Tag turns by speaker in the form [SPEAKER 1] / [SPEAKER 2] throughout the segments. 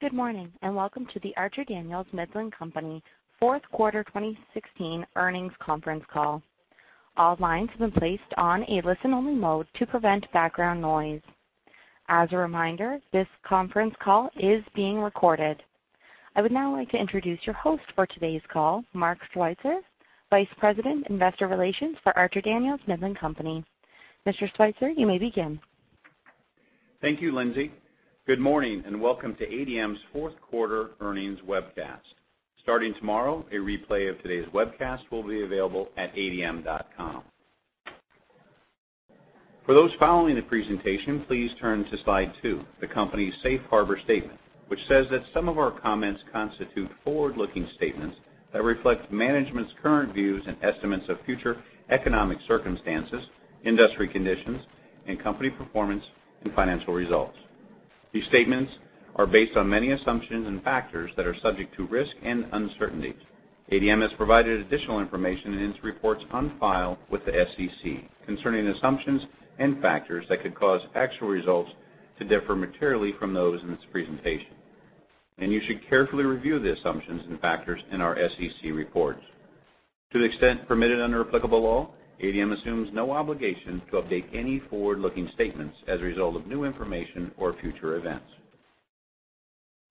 [SPEAKER 1] Good morning, welcome to the Archer Daniels Midland Company fourth quarter 2016 earnings conference call. All lines have been placed on a listen-only mode to prevent background noise. As a reminder, this conference call is being recorded. I would now like to introduce your host for today's call, Mark Schweitzer, Vice President, Investor Relations for Archer Daniels Midland Company. Mr. Schweitzer, you may begin.
[SPEAKER 2] Thank you, Lindsay. Good morning, welcome to ADM's fourth quarter earnings webcast. Starting tomorrow, a replay of today's webcast will be available at adm.com. For those following the presentation, please turn to Slide 2, the company's safe harbor statement, which says that some of our comments constitute forward-looking statements that reflect management's current views and estimates of future economic circumstances, industry conditions, and company performance and financial results. These statements are based on many assumptions and factors that are subject to risk and uncertainties. ADM has provided additional information in its reports on file with the SEC concerning assumptions and factors that could cause actual results to differ materially from those in this presentation. You should carefully review the assumptions and factors in our SEC reports. To the extent permitted under applicable law, ADM assumes no obligation to update any forward-looking statements as a result of new information or future events.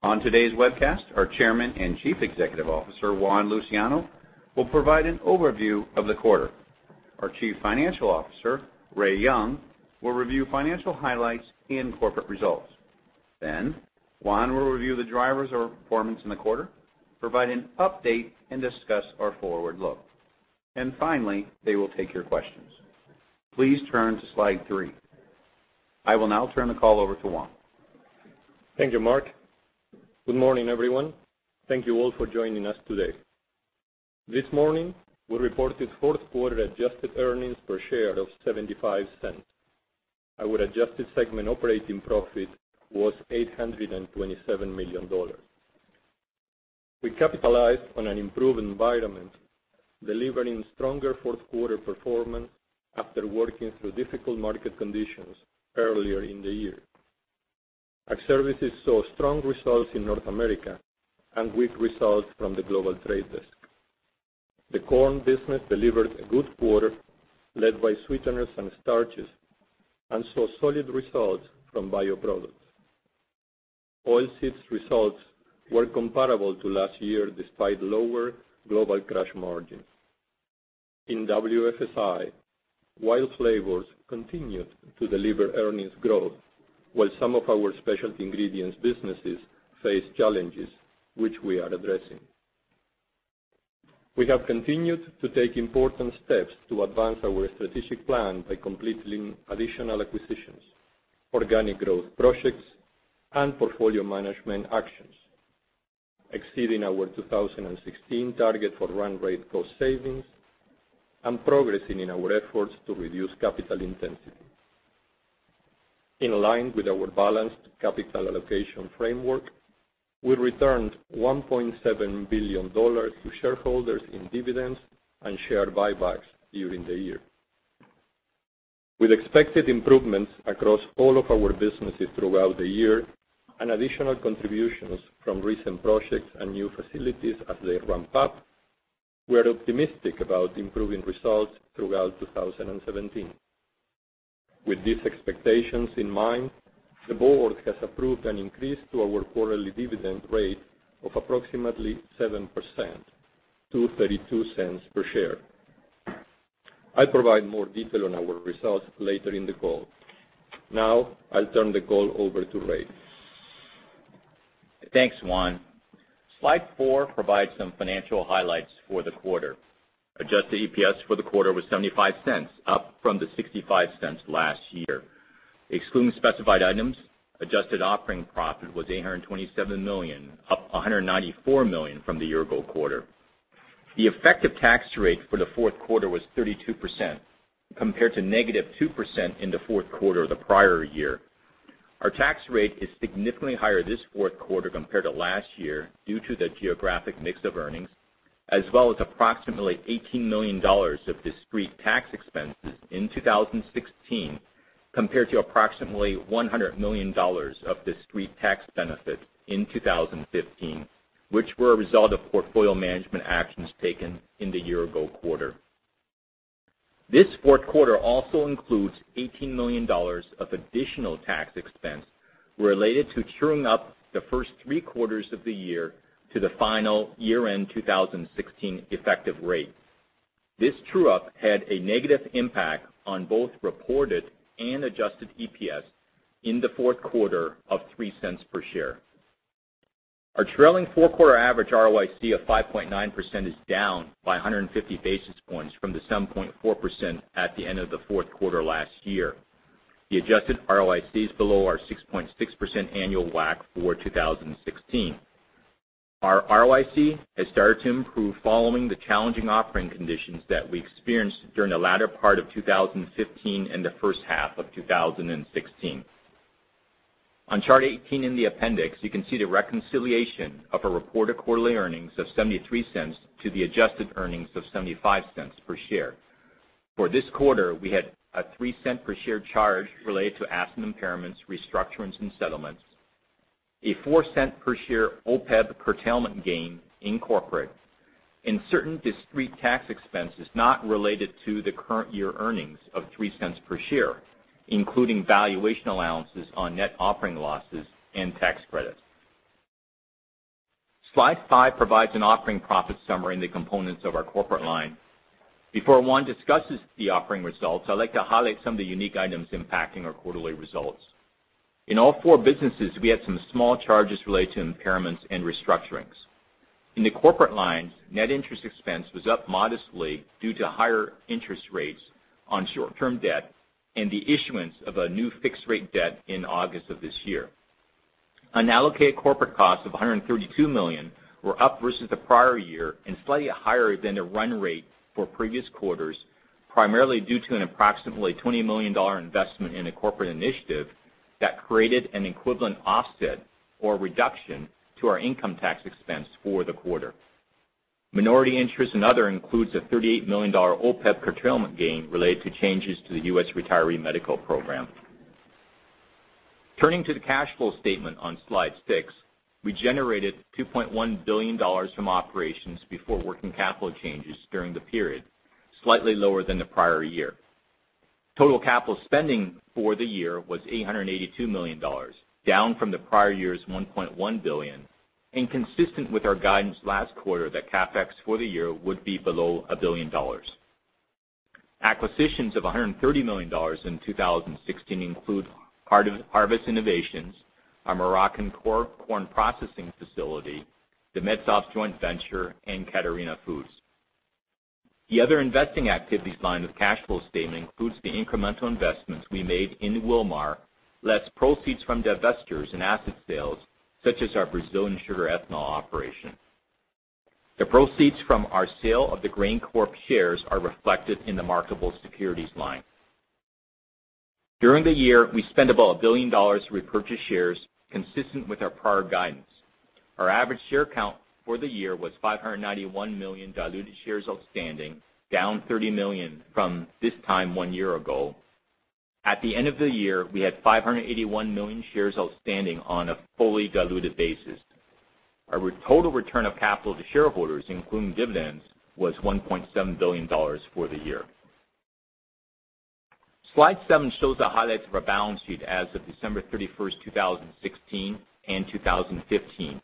[SPEAKER 2] On today's webcast, our Chairman and Chief Executive Officer, Juan Luciano, will provide an overview of the quarter. Our Chief Financial Officer, Ray Young, will review financial highlights and corporate results. Juan will review the drivers of our performance in the quarter, provide an update, and discuss our forward look. Finally, they will take your questions. Please turn to Slide 3. I will now turn the call over to Juan.
[SPEAKER 3] Thank you, Mark. Good morning, everyone. Thank you all for joining us today. This morning, we reported fourth quarter adjusted earnings per share of $0.75. Our adjusted segment operating profit was $827 million. We capitalized on an improved environment, delivering stronger fourth quarter performance after working through difficult market conditions earlier in the year. Ag Services saw strong results in North America and weak results from the global trade desk. The corn business delivered a good quarter led by sweeteners and starches and saw solid results from bioproducts. Oilseeds results were comparable to last year, despite lower global crush margins. In WFSI, WILD Flavors continued to deliver earnings growth, while some of our specialty ingredients businesses faced challenges, which we are addressing. We have continued to take important steps to advance our strategic plan by completing additional acquisitions, organic growth projects, and portfolio management actions, exceeding our 2016 target for run rate cost savings and progressing in our efforts to reduce capital intensity. In line with our balanced capital allocation framework, we returned $1.7 billion to shareholders in dividends and share buybacks during the year. With expected improvements across all of our businesses throughout the year and additional contributions from recent projects and new facilities as they ramp up, we are optimistic about improving results throughout 2017. With these expectations in mind, the board has approved an increase to our quarterly dividend rate of approximately 7%, to $0.32 per share. I'll provide more detail on our results later in the call. Now I'll turn the call over to Ray.
[SPEAKER 4] Thanks, Juan. Slide four provides some financial highlights for the quarter. Adjusted EPS for the quarter was $0.75, up from the $0.65 last year. Excluding specified items, adjusted operating profit was $827 million, up $194 million from the year-ago quarter. The effective tax rate for the fourth quarter was 32%, compared to negative 2% in the fourth quarter of the prior year. Our tax rate is significantly higher this fourth quarter compared to last year due to the geographic mix of earnings, as well as approximately $18 million of discrete tax expenses in 2016, compared to approximately $100 million of discrete tax benefits in 2015, which were a result of portfolio management actions taken in the year-ago quarter. This fourth quarter also includes $18 million of additional tax expense related to true-ing up the first three quarters of the year to the final year-end 2016 effective rate. This true-up had a negative impact on both reported and adjusted EPS in the fourth quarter of $0.03 per share. Our trailing four-quarter average ROIC of 5.9% is down by 150 basis points from the 7.4% at the end of the fourth quarter last year. The adjusted ROIC is below our 6.6% annual WACC for 2016. Our ROIC has started to improve following the challenging operating conditions that we experienced during the latter part of 2015 and the first half of 2016. On Chart 18 in the appendix, you can see the reconciliation of our reported quarterly earnings of $0.73 to the adjusted earnings of $0.75 per share. For this quarter, we had a $0.03 per share charge related to asset impairments, restructurings, and settlements, a $0.04 per share OPEB curtailment gain in Corporate, and certain discrete tax expenses not related to the current year earnings of $0.03 per share, including valuation allowances on net operating losses and tax credits. Slide five provides an operating profit summary and the components of our Corporate line. Before Juan discusses the operating results, I'd like to highlight some of the unique items impacting our quarterly results. In all four businesses, we had some small charges related to impairments and restructurings. In the Corporate lines, net interest expense was up modestly due to higher interest rates on short-term debt and the issuance of a new fixed-rate debt in August of this year. Unallocated Corporate costs of $132 million were up versus the prior year and slightly higher than the run rate for previous quarters, primarily due to an approximately $20 million investment in a corporate initiative that created an equivalent offset or reduction to our income tax expense for the quarter. Minority interest and other includes a $38 million OPEB curtailment gain related to changes to the U.S. retiree medical program. Turning to the cash flow statement on Slide six, we generated $2.1 billion from operations before working capital changes during the period, slightly lower than the prior year. Total capital spending for the year was $882 million, down from the prior year's $1.1 billion and consistent with our guidance last quarter that CapEx for the year would be below a billion dollars. Acquisitions of $130 million in 2016 include Harvest Innovations, our Moroccan corn processing facility, the Medsofts joint venture, and Catarina Foods. The other investing activities line of cash flow statement includes the incremental investments we made in Wilmar, less proceeds from divestitures and asset sales, such as our Brazilian sugar ethanol operation. The proceeds from our sale of the GrainCorp shares are reflected in the marketable securities line. During the year, we spent about a billion dollars to repurchase shares consistent with our prior guidance. Our average share count for the year was 591 million diluted shares outstanding, down 30 million from this time one year ago. At the end of the year, we had 581 million shares outstanding on a fully diluted basis. Our total return of capital to shareholders, including dividends, was $1.7 billion for the year. Slide seven shows the highlights of our balance sheet as of December 31st, 2016 and 2015.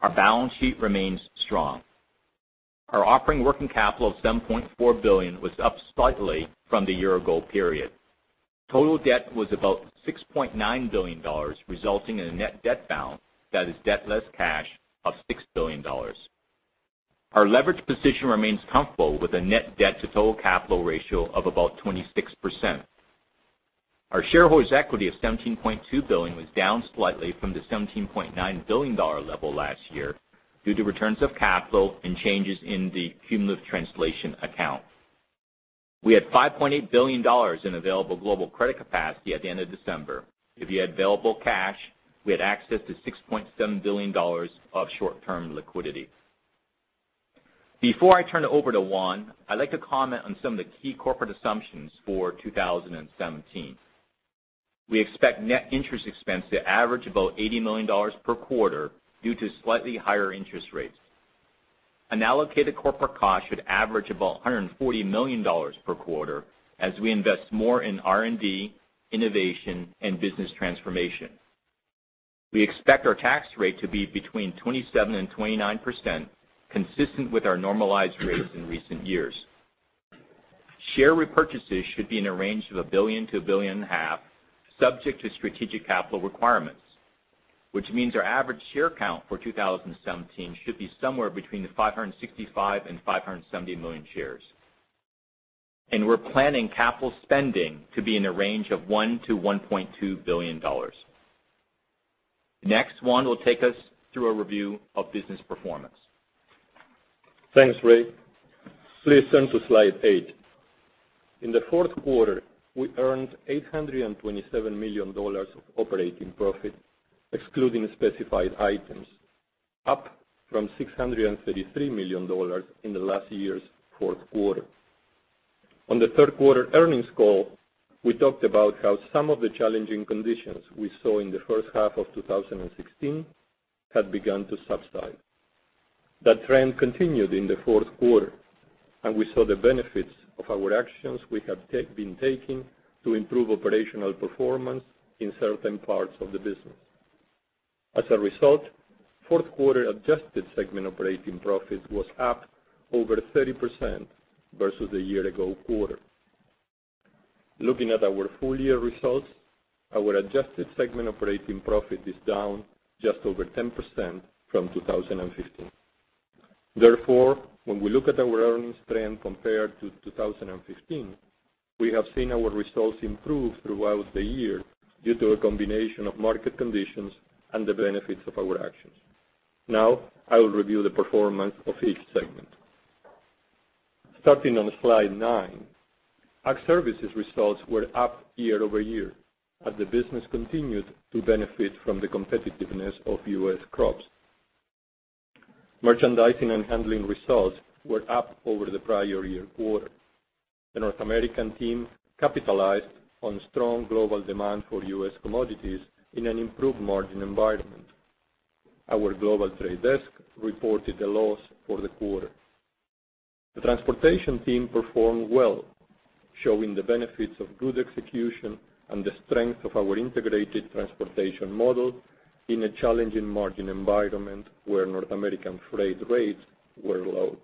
[SPEAKER 4] Our balance sheet remains strong. Our operating working capital of $7.4 billion was up slightly from the year ago period. Total debt was about $6.9 billion, resulting in a net debt balance, that is debt less cash, of $6 billion. Our leverage position remains comfortable with a net debt to total capital ratio of about 26%. Our shareholders' equity of $17.2 billion was down slightly from the $17.9 billion level last year due to returns of capital and changes in the cumulative translation account. We had $5.8 billion in available global credit capacity at the end of December. If you add available cash, we had access to $6.7 billion of short-term liquidity. Before I turn it over to Juan, I'd like to comment on some of the key corporate assumptions for 2017. We expect net interest expense to average about $80 million per quarter due to slightly higher interest rates. Unallocated Corporate costs should average about $140 million per quarter as we invest more in R&D, innovation, and business transformation. We expect our tax rate to be between 27% and 29%, consistent with our normalized rates in recent years. Share repurchases should be in a range of a billion to a billion and a half, subject to strategic capital requirements, which means our average share count for 2017 should be somewhere between the 565 million and 570 million shares. We're planning capital spending to be in a range of $1 billion-$1.2 billion. Next, Juan will take us through a review of business performance.
[SPEAKER 3] Thanks, Ray. Please turn to Slide eight. In the fourth quarter, we earned $827 million of operating profit, excluding specified items, up from $633 million in last year's fourth quarter. On the third quarter earnings call, we talked about how some of the challenging conditions we saw in the first half of 2016 had begun to subside. That trend continued in the fourth quarter, and we saw the benefits of our actions we have been taking to improve operational performance in certain parts of the business. As a result, fourth quarter adjusted segment operating profit was up over 30% versus the year ago quarter. Looking at our full-year results, our adjusted segment operating profit is down just over 10% from 2015. When we look at our earnings trend compared to 2015, we have seen our results improve throughout the year due to a combination of market conditions and the benefits of our actions. Now I will review the performance of each segment. Starting on Slide nine, Ag Services results were up year-over-year as the business continued to benefit from the competitiveness of U.S. crops. Merchandising and handling results were up over the prior year quarter. The North American team capitalized on strong global demand for U.S. commodities in an improved margin environment. Our global trade desk reported a loss for the quarter. The transportation team performed well, showing the benefits of good execution and the strength of our integrated transportation model in a challenging margin environment where North American freight rates were low.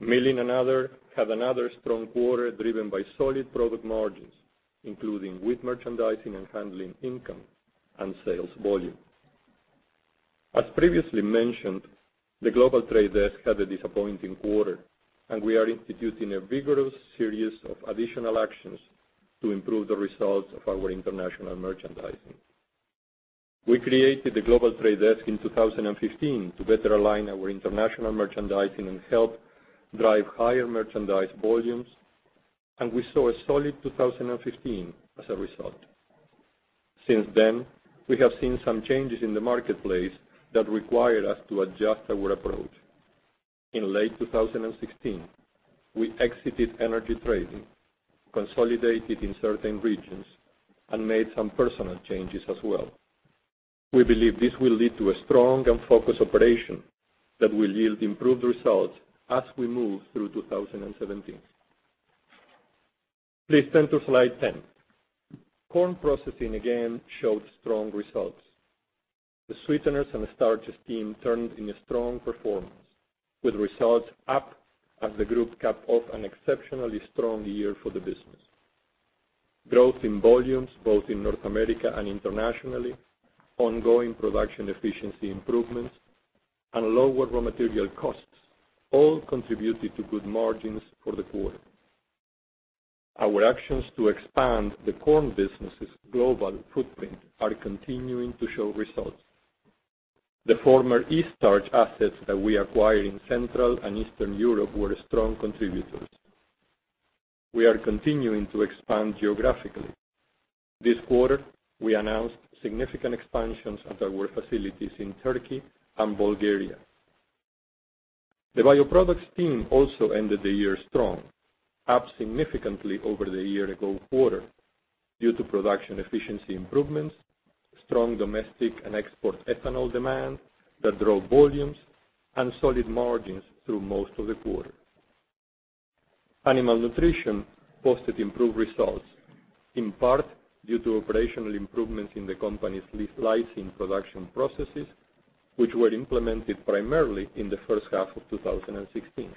[SPEAKER 3] Milling and other had another strong quarter, driven by solid product margins, including wheat merchandising and handling income and sales volume. As previously mentioned, the global trade desk had a disappointing quarter. We are instituting a vigorous series of additional actions to improve the results of our international merchandising. We created the global trade desk in 2015 to better align our international merchandising and help drive higher merchandise volumes. We saw a solid 2015 as a result. Since then, we have seen some changes in the marketplace that required us to adjust our approach. In late 2016, we exited energy trading, consolidated in certain regions, and made some personnel changes as well. We believe this will lead to a strong and focused operation that will yield improved results as we move through 2017. Please turn to Slide 10. Corn processing again showed strong results. The sweeteners and starches team turned in a strong performance, with results up as the group capped off an exceptionally strong year for the business. Growth in volumes both in North America and internationally, ongoing production efficiency improvements, and lower raw material costs all contributed to good margins for the quarter. Our actions to expand the corn business's global footprint are continuing to show results. The former Eaststarch C.V. assets that we acquired in Central and Eastern Europe were strong contributors. We are continuing to expand geographically. This quarter, we announced significant expansions at our facilities in Turkey and Bulgaria. The bioproducts team also ended the year strong, up significantly over the year-ago quarter due to production efficiency improvements, strong domestic and export ethanol demand that drove volumes, and solid margins through most of the quarter. Animal nutrition posted improved results, in part due to operational improvements in the company's lysine production processes, which were implemented primarily in the first half of 2016.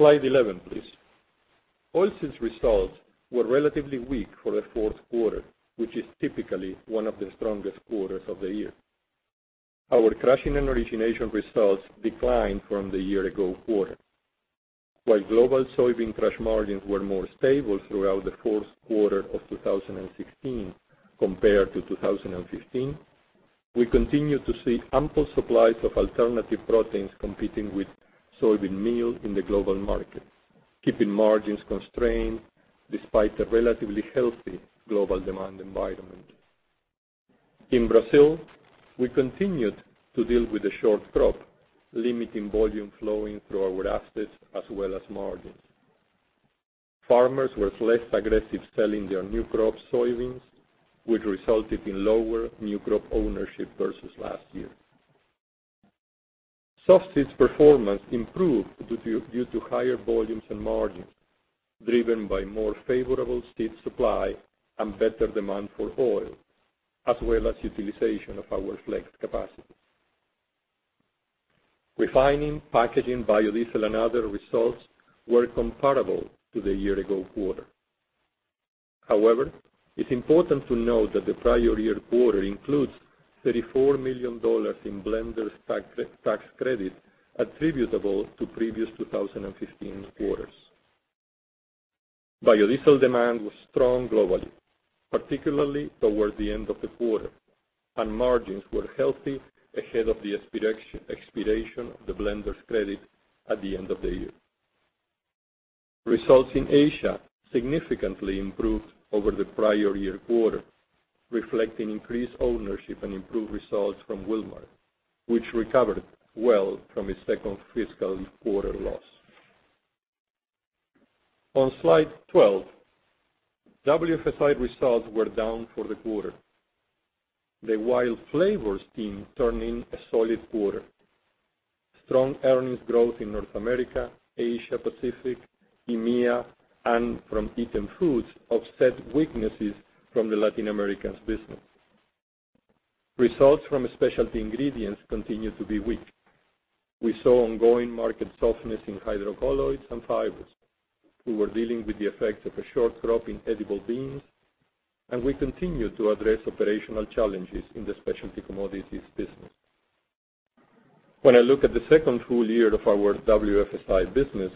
[SPEAKER 3] Slide 11, please. Oilseeds results were relatively weak for the fourth quarter, which is typically one of the strongest quarters of the year. Our crushing and origination results declined from the year-ago quarter. While global soybean crush margins were more stable throughout the fourth quarter of 2016 compared to 2015, we continue to see ample supplies of alternative proteins competing with soybean meal in the global market, keeping margins constrained despite a relatively healthy global demand environment. In Brazil, we continued to deal with a short crop, limiting volume flowing through our assets as well as margins. Farmers were less aggressive selling their new crop soybeans, which resulted in lower new crop ownership versus last year. Softseed performance improved due to higher volumes and margins, driven by more favorable seed supply and better demand for oil, as well as utilization of our flex capacities. Refining, packaging, biodiesel, and other results were comparable to the year-ago quarter. However, it's important to note that the prior year quarter includes $34 million in blenders tax credit attributable to previous 2015 quarters. Biodiesel demand was strong globally, particularly towards the end of the quarter, and margins were healthy ahead of the expiration of the blenders credit at the end of the year. Results in Asia significantly improved over the prior year quarter, reflecting increased ownership and improved results from Wilmar, which recovered well from its second fiscal quarter loss. On Slide 12, WFSI results were down for the quarter. The WILD Flavors team turned in a solid quarter. Strong earnings growth in North America, Asia Pacific, EMEA, and from Eatem Foods offset weaknesses from the Latin America's business. Results from specialty ingredients continued to be weak. We saw ongoing market softness in hydrocolloids and fibers. We were dealing with the effects of a short crop in edible beans, and we continued to address operational challenges in the specialty commodities business. When I look at the second full year of our WFSI business,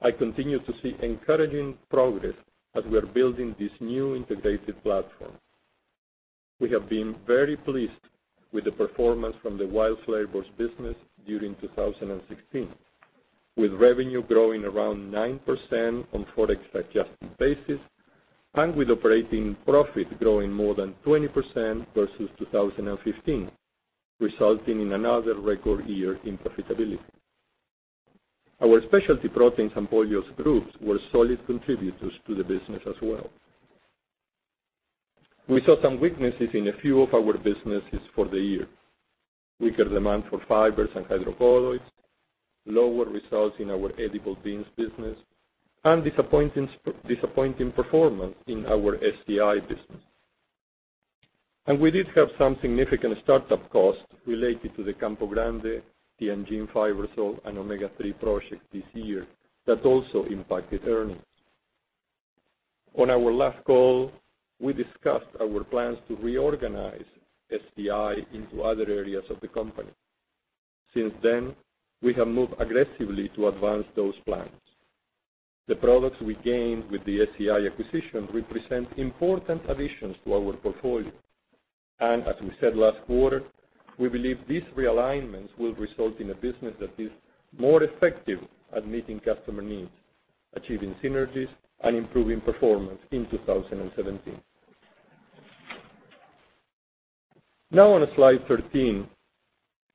[SPEAKER 3] I continue to see encouraging progress as we are building this new integrated platform. We have been very pleased with the performance from the WILD Flavors business during 2016. With revenue growing around 9% on Forex adjusted basis and with operating profit growing more than 20% versus 2015, resulting in another record year in profitability. Our specialty proteins and oils groups were solid contributors to the business as well. We saw some weaknesses in a few of our businesses for the year. Weaker demand for fibers and hydrocolloids, lower results in our edible beans business, and disappointing performance in our SDI business. We did have some significant startup costs related to the Campo Grande, the engine fibers, and omega-3 project this year that also impacted earnings. On our last call, we discussed our plans to reorganize SDI into other areas of the company. Since then, we have moved aggressively to advance those plans. The products we gained with the SDI acquisition represent important additions to our portfolio. As we said last quarter, we believe these realignments will result in a business that is more effective at meeting customer needs, achieving synergies, and improving performance in 2017. On slide 13,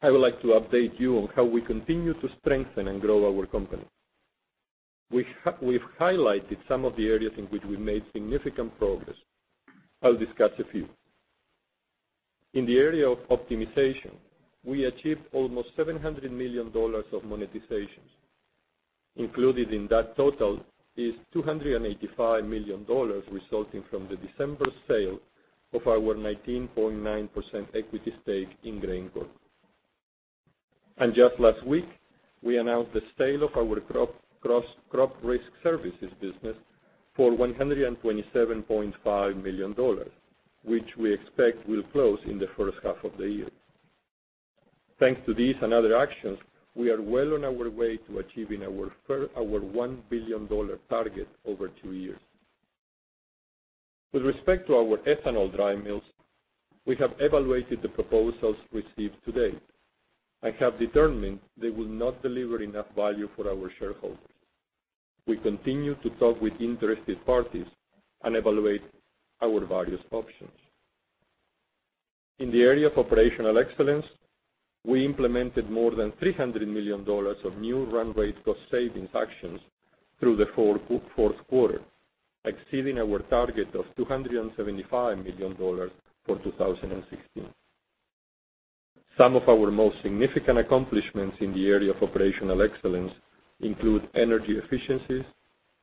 [SPEAKER 3] I would like to update you on how we continue to strengthen and grow our company. We've highlighted some of the areas in which we've made significant progress. I'll discuss a few. In the area of optimization, we achieved almost $700 million of monetizations. Included in that total is $285 million resulting from the December sale of our 19.9% equity stake in GrainCorp. Just last week, we announced the sale of our Crop Risk Services business for $127.5 million, which we expect will close in the first half of the year. Thanks to these and other actions, we are well on our way to achieving our $1 billion target over two years. With respect to our ethanol dry mills, we have evaluated the proposals received to date and have determined they will not deliver enough value for our shareholders. We continue to talk with interested parties and evaluate our various options. In the area of operational excellence, we implemented more than $300 million of new run rate cost savings actions through the fourth quarter, exceeding our target of $275 million for 2016. Some of our most significant accomplishments in the area of operational excellence include energy efficiencies,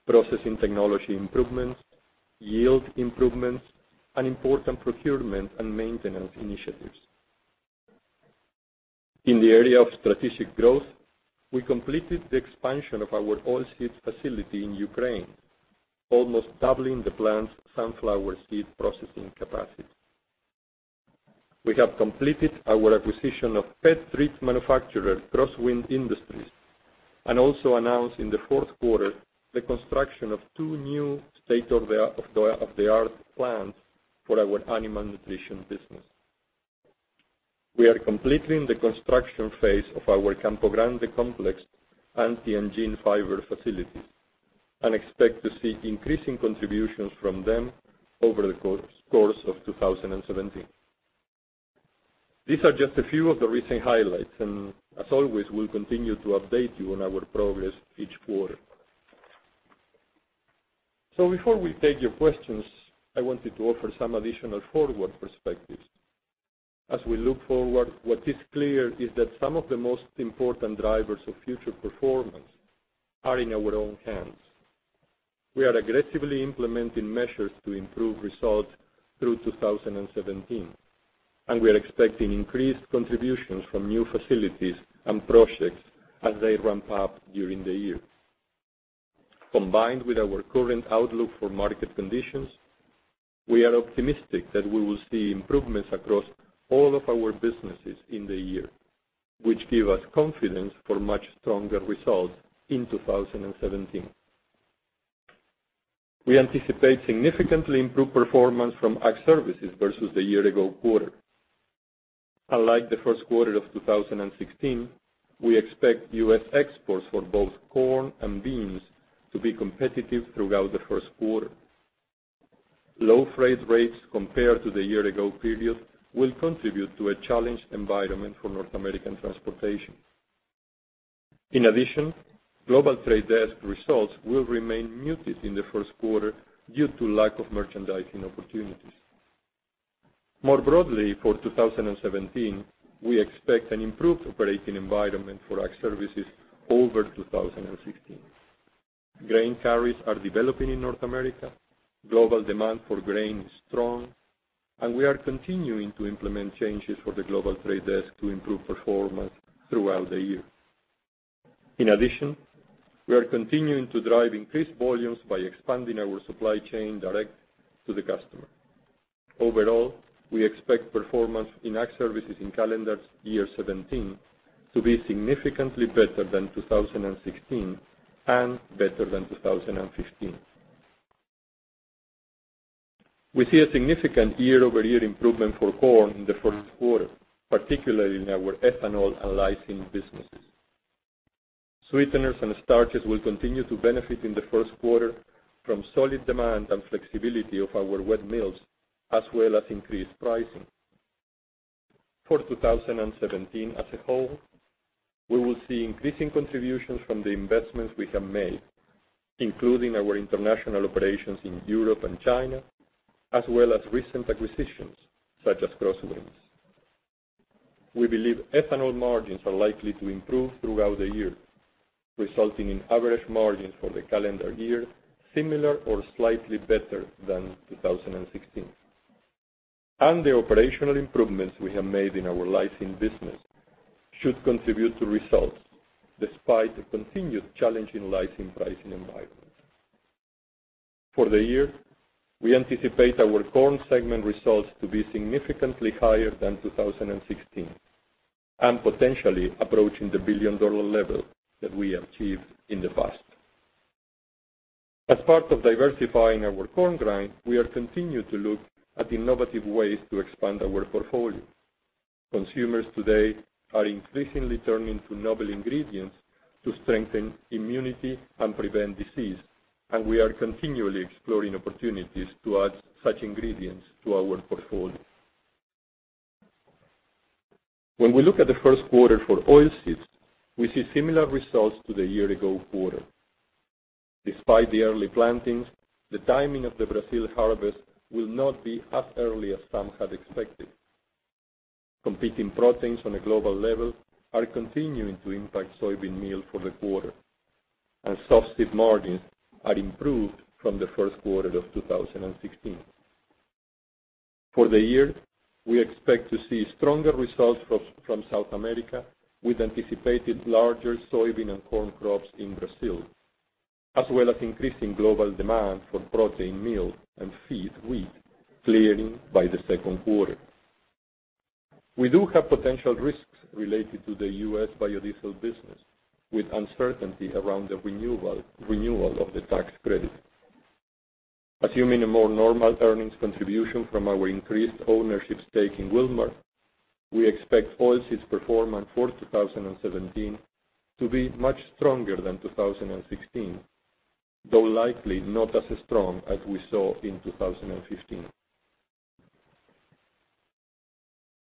[SPEAKER 3] processing technology improvements, yield improvements, and important procurement and maintenance initiatives. In the area of strategic growth, we completed the expansion of our oilseeds facility in Ukraine, almost doubling the plant's sunflower seed processing capacity. We have completed our acquisition of pet treat manufacturer, Crosswind Industries, and also announced in the fourth quarter the construction of two new state-of-the-art plants for our animal nutrition business. We are completing the construction phase of our Campo Grande complex and the engine fiber facilities, and expect to see increasing contributions from them over the course of 2017. These are just a few of the recent highlights, and as always, we'll continue to update you on our progress each quarter. Before we take your questions, I wanted to offer some additional forward perspectives. As we look forward, what is clear is that some of the most important drivers of future performance are in our own hands. We are aggressively implementing measures to improve results through 2017, and we are expecting increased contributions from new facilities and projects as they ramp up during the year. Combined with our current outlook for market conditions, we are optimistic that we will see improvements across all of our businesses in the year, which give us confidence for much stronger results in 2017. We anticipate significantly improved performance from Ag Services versus the year ago quarter. Unlike the first quarter of 2016, we expect U.S. exports for both corn and beans to be competitive throughout the first quarter. Low freight rates compared to the year ago period will contribute to a challenged environment for North American transportation. In addition, global trade desk results will remain muted in the first quarter due to lack of merchandising opportunities. More broadly, for 2017, we expect an improved operating environment for Ag Services over 2016. Grain carriers are developing in North America, global demand for grain is strong, and we are continuing to implement changes for the global trade desk to improve performance throughout the year. In addition, we are continuing to drive increased volumes by expanding our supply chain direct to the customer. Overall, we expect performance in Ag Services in calendar year 2017 to be significantly better than 2016 and better than 2015. We see a significant year-over-year improvement for corn in the first quarter, particularly in our ethanol and lysine businesses. Sweeteners and starches will continue to benefit in the first quarter from solid demand and flexibility of our wet mills, as well as increased pricing. For 2017 as a whole, we will see increasing contributions from the investments we have made, including our international operations in Europe and China, as well as recent acquisitions, such as Crosswinds. We believe ethanol margins are likely to improve throughout the year, resulting in average margins for the calendar year similar or slightly better than 2016. The operational improvements we have made in our lysine business should contribute to results, despite a continued challenging lysine pricing environment. For the year, we anticipate our corn segment results to be significantly higher than 2016, and potentially approaching the billion-dollar level that we achieved in the past. As part of diversifying our corn grind, we are continuing to look at innovative ways to expand our portfolio. Consumers today are increasingly turning to novel ingredients to strengthen immunity and prevent disease, and we are continually exploring opportunities to add such ingredients to our portfolio. When we look at the first quarter for oilseeds, we see similar results to the year-ago quarter. Despite the early plantings, the timing of the Brazil harvest will not be as early as some had expected. Competing proteins on a global level are continuing to impact soybean meal for the quarter, and softseed margins are improved from the first quarter of 2016. For the year, we expect to see stronger results from South America with anticipated larger soybean and corn crops in Brazil, as well as increasing global demand for protein meal and feed wheat clearing by the second quarter. We do have potential risks related to the U.S. biodiesel business, with uncertainty around the renewal of the tax credit. Assuming a more normal earnings contribution from our increased ownership stake in Wilmar, we expect oilseeds performance for 2017 to be much stronger than 2016, though likely not as strong as we saw in 2015.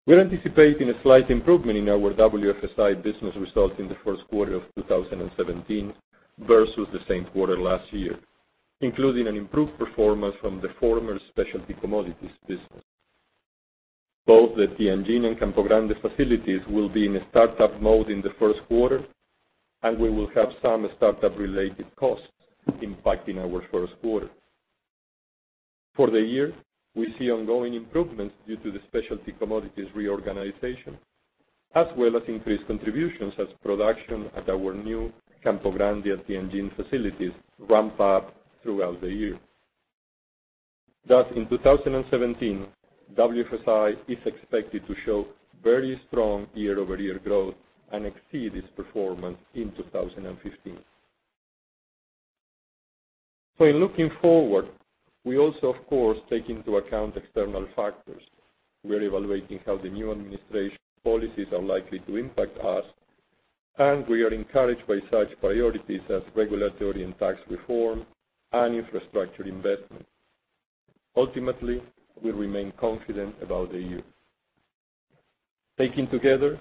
[SPEAKER 3] We're anticipating a slight improvement in our WFSI business results in the first quarter of 2017 versus the same quarter last year, including an improved performance from the former specialty commodities business. Both the Tianjin and Campo Grande facilities will be in a startup mode in the first quarter, and we will have some startup-related costs impacting our first quarter. For the year, we see ongoing improvements due to the specialty commodities reorganization, as well as increased contributions as production at our new Campo Grande and Tianjin facilities ramp up throughout the year. Thus, in 2017, WFSI is expected to show very strong year-over-year growth and exceed its performance in 2015. In looking forward, we also, of course, take into account external factors. We are evaluating how the new administration policies are likely to impact us, and we are encouraged by such priorities as regulatory and tax reform and infrastructure investment. Ultimately, we remain confident about the year. Taken together,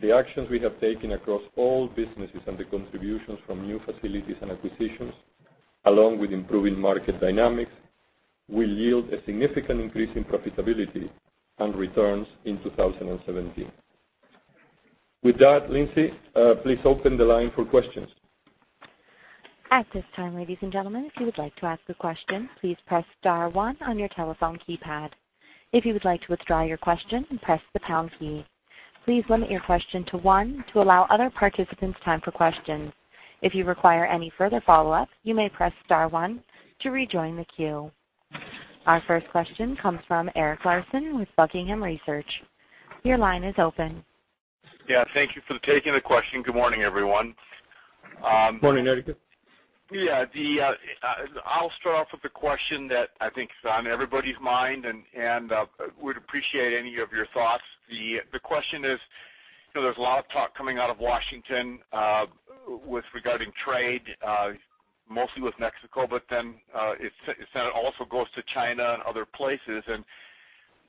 [SPEAKER 3] the actions we have taken across all businesses and the contributions from new facilities and acquisitions, along with improving market dynamics, will yield a significant increase in profitability and returns in 2017. With that, Lindsay, please open the line for questions.
[SPEAKER 1] At this time, ladies and gentlemen, if you would like to ask a question, please press star one on your telephone keypad. If you would like to withdraw your question, press the pound key. Please limit your question to one to allow other participants time for questions. If you require any further follow-up, you may press star one to rejoin the queue. Our first question comes from Eric Larson with Buckingham Research. Your line is open.
[SPEAKER 5] Yeah. Thank you for taking the question. Good morning, everyone.
[SPEAKER 3] Morning, Eric.
[SPEAKER 5] Yeah. I'll start off with a question that I think is on everybody's mind, and would appreciate any of your thoughts. The question is, there's a lot of talk coming out of Washington regarding trade, mostly with Mexico, but then it also goes to China and other places.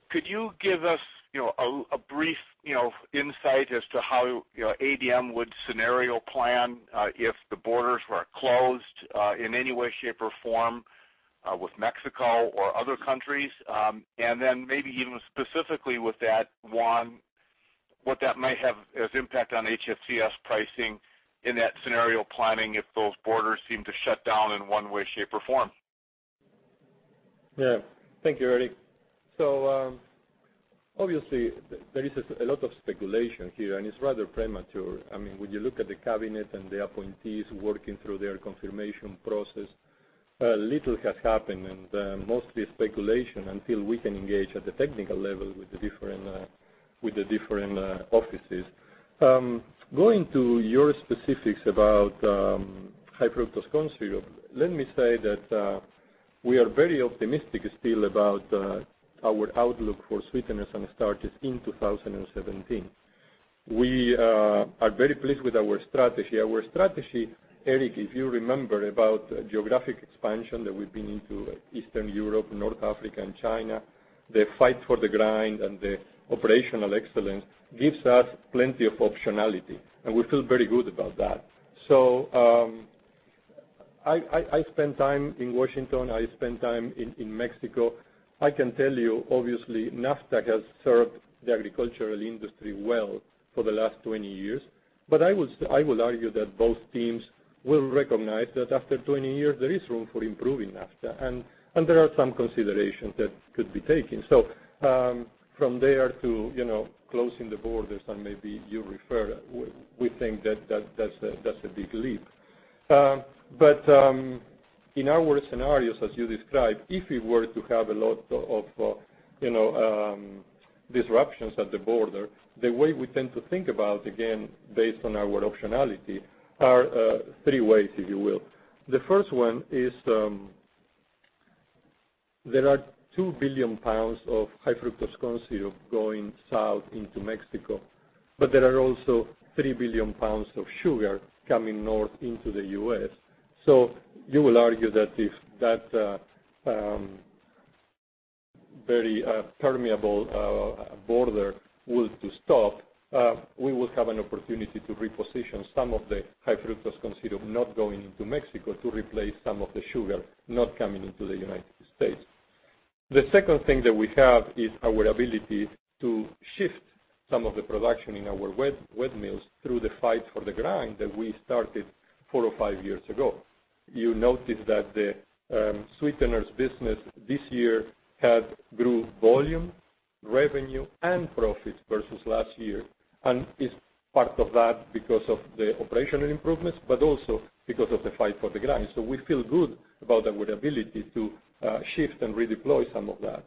[SPEAKER 5] Could you give us a brief insight as to how ADM would scenario plan, if the borders were closed in any way, shape, or form with Mexico or other countries? Maybe even specifically with that, Juan, what that might have as impact on HFCS pricing in that scenario planning, if those borders seem to shut down in one way, shape, or form?
[SPEAKER 3] Thank you, Eric. Obviously, there is a lot of speculation here, and it's rather premature. When you look at the cabinet and the appointees working through their confirmation process, little has happened, and mostly speculation until we can engage at the technical level with the different offices. Going to your specifics about High fructose corn syrup. Let me say that we are very optimistic still about our outlook for sweeteners and starches in 2017. We are very pleased with our strategy. Our strategy, Eric, if you remember, about geographic expansion that we've been into Eastern Europe, North Africa, and China, the fight for the grind, and the operational excellence gives us plenty of optionality, and we feel very good about that. I spend time in Washington, I spend time in Mexico. I can tell you, obviously, NAFTA has served the agricultural industry well for the last 20 years. I will argue that both teams will recognize that after 20 years, there is room for improving NAFTA, and there are some considerations that could be taken. From there to closing the borders, and maybe you refer, we think that's a big leap. In our scenarios, as you described, if we were to have a lot of disruptions at the border, the way we tend to think about, again, based on our optionality, are three ways, if you will. The first one is there are 2 billion pounds of High fructose corn syrup going south into Mexico, but there are also 3 billion pounds of sugar coming north into the U.S. You will argue that if that very permeable border was to stop, we would have an opportunity to reposition some of the High fructose corn syrup not going into Mexico to replace some of the sugar not coming into the United States. The second thing that we have is our ability to shift some of the production in our wet mills through the fight for the grind that we started four or five years ago. You notice that the sweeteners business this year had grew volume, revenue, and profits versus last year, and is part of that because of the operational improvements, but also because of the fight for the grind. We feel good about our ability to shift and redeploy some of that.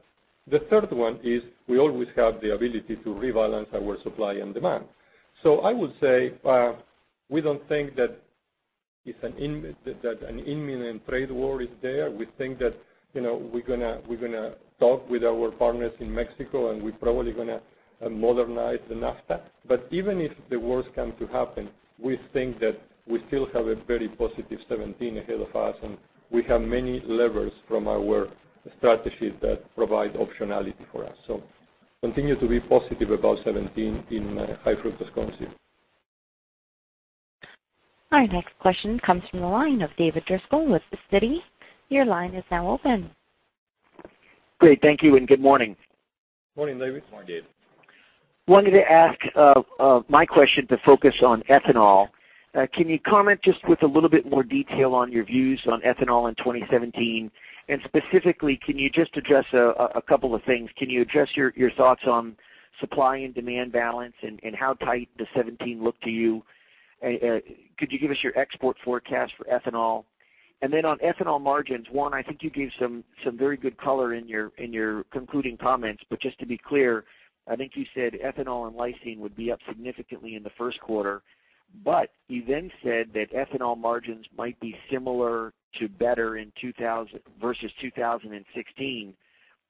[SPEAKER 3] The third one is we always have the ability to rebalance our supply and demand. I would say we don't think that an imminent trade war is there. We think that we're going to talk with our partners in Mexico, and we're probably going to modernize the NAFTA. Even if the worst come to happen, we think that we still have a very positive 2017 ahead of us, and we have many levers from our strategy that provide optionality for us. Continue to be positive about 2017 in High fructose corn syrup.
[SPEAKER 1] Our next question comes from the line of David Driscoll with Citi. Your line is now open.
[SPEAKER 6] Great. Thank you, and good morning.
[SPEAKER 3] Morning, David. Morning, Dave.
[SPEAKER 6] Wanted to ask my question to focus on ethanol. Can you comment just with a little bit more detail on your views on ethanol in 2017? Specifically, can you just address a couple of things? Can you address your thoughts on supply and demand balance and how tight does 2017 look to you? Could you give us your export forecast for ethanol? Then on ethanol margins, one, I think you gave some very good color in your concluding comments. Just to be clear, I think you said ethanol and lysine would be up significantly in the first quarter. You then said that ethanol margins might be similar to better versus 2016.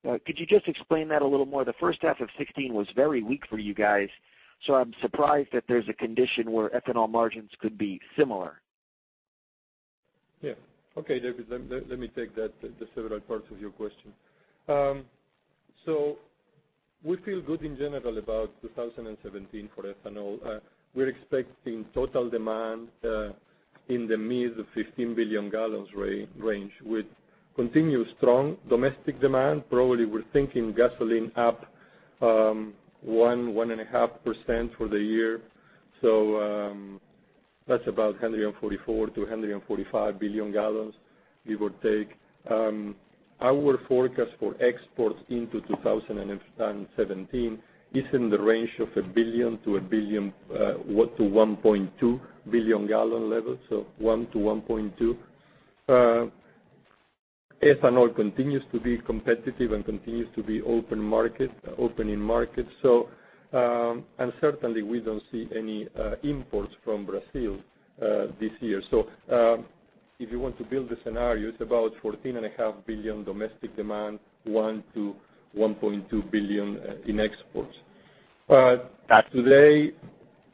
[SPEAKER 6] Could you just explain that a little more? The first half of 2016 was very weak for you guys, so I'm surprised that there's a condition where ethanol margins could be similar.
[SPEAKER 3] Yeah. Okay, David, let me take the several parts of your question. We feel good in general about 2017 for ethanol. We're expecting total demand in the mid of 15 billion gallons range with continued strong domestic demand. Probably we're thinking gasoline up 1%, 1.5% for the year. That's about 144 billion gallons to 145 billion gallons it would take. Our forecast for exports into 2017 is in the range of a billion to 1.2 billion gallon level, so 1 to 1.2. Ethanol continues to be competitive and continues to be open in markets. Certainly, we don't see any imports from Brazil this year. If you want to build a scenario, it's about 14.5 billion domestic demand, 1 to 1.2 billion in exports. Today,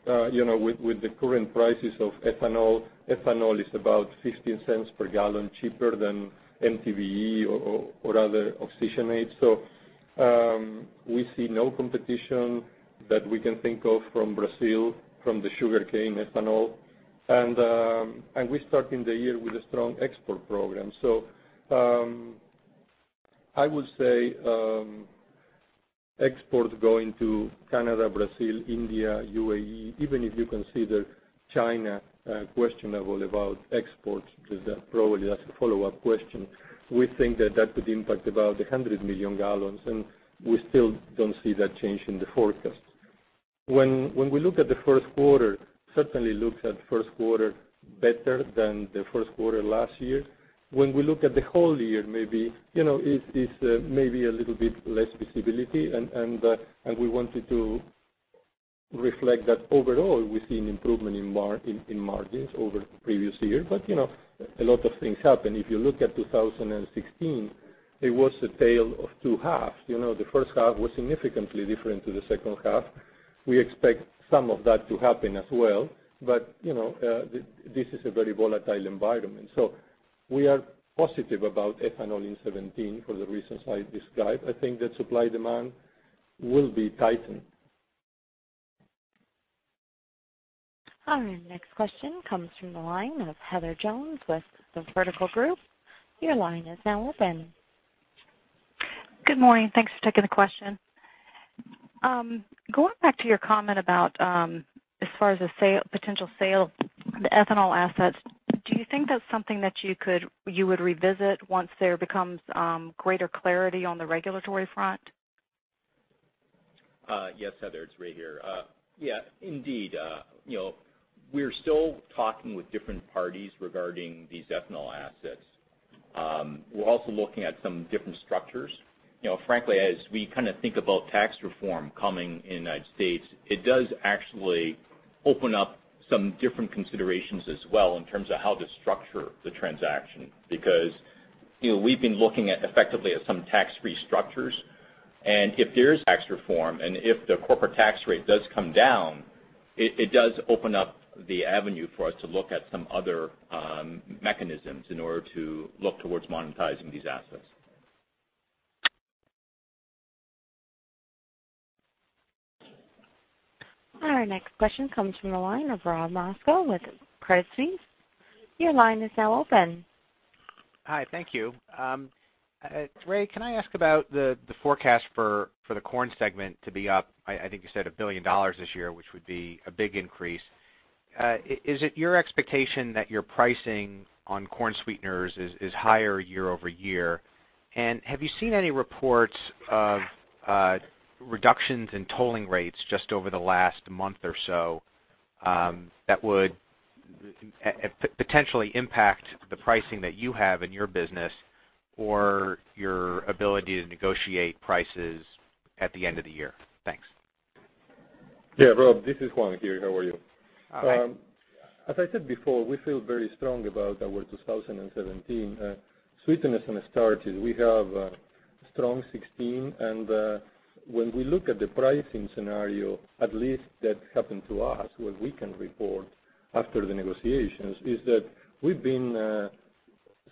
[SPEAKER 3] with the current prices of ethanol is about $0.15 per gallon cheaper than MTBE or other oxygenates. We see no competition that we can think of from Brazil, from the sugarcane ethanol. We start in the year with a strong export program. I would say exports going to Canada, Brazil, India, UAE, even if you consider China questionable about exports, because that probably is a follow-up question. We think that could impact about 100 million gallons, and we still don't see that change in the forecast. When we look at the first quarter, certainly looks at first quarter better than the first quarter last year. When we look at the whole year maybe, it's maybe a little bit less visibility, and we wanted to reflect that overall, we've seen improvement in margins over the previous year. A lot of things happen. If you look at 2016, it was a tale of two halves. The first half was significantly different to the second half. We expect some of that to happen as well. This is a very volatile environment. We are positive about ethanol in 2017 for the reasons I described. I think that supply-demand will be tightened.
[SPEAKER 1] All right. Next question comes from the line of Heather Jones with The Vertical Group. Your line is now open.
[SPEAKER 7] Good morning. Thanks for taking the question. Going back to your comment about, as far as the potential sale of the ethanol assets, do you think that's something that you would revisit once there becomes greater clarity on the regulatory front?
[SPEAKER 4] Yes, Heather, it's Ray here. Yeah, indeed. We're still talking with different parties regarding these ethanol assets. We're also looking at some different structures. Frankly, as we kind of think about tax reform coming in the United States, it does actually open up some different considerations as well in terms of how to structure the transaction. Because we've been looking effectively at some tax-free structures, and if there is tax reform, and if the corporate tax rate does come down, it does open up the avenue for us to look at some other mechanisms in order to look towards monetizing these assets.
[SPEAKER 1] Our next question comes from the line of Robert Moskow with Credit Suisse. Your line is now open.
[SPEAKER 8] Hi, thank you. Ray, can I ask about the forecast for the corn segment to be up, I think you said $1 billion this year, which would be a big increase. Is it your expectation that your pricing on corn sweeteners is higher year-over-year? Have you seen any reports of reductions in tolling rates just over the last month or so, that would potentially impact the pricing that you have in your business or your ability to negotiate prices at the end of the year? Thanks.
[SPEAKER 3] Yeah, Rob, this is Juan here. How are you?
[SPEAKER 8] Hi.
[SPEAKER 3] As I said before, we feel very strong about our 2017. Sweeteners and starches, we have a strong 2016. When we look at the pricing scenario, at least that happened to us, what we can report after the negotiations, is that we've been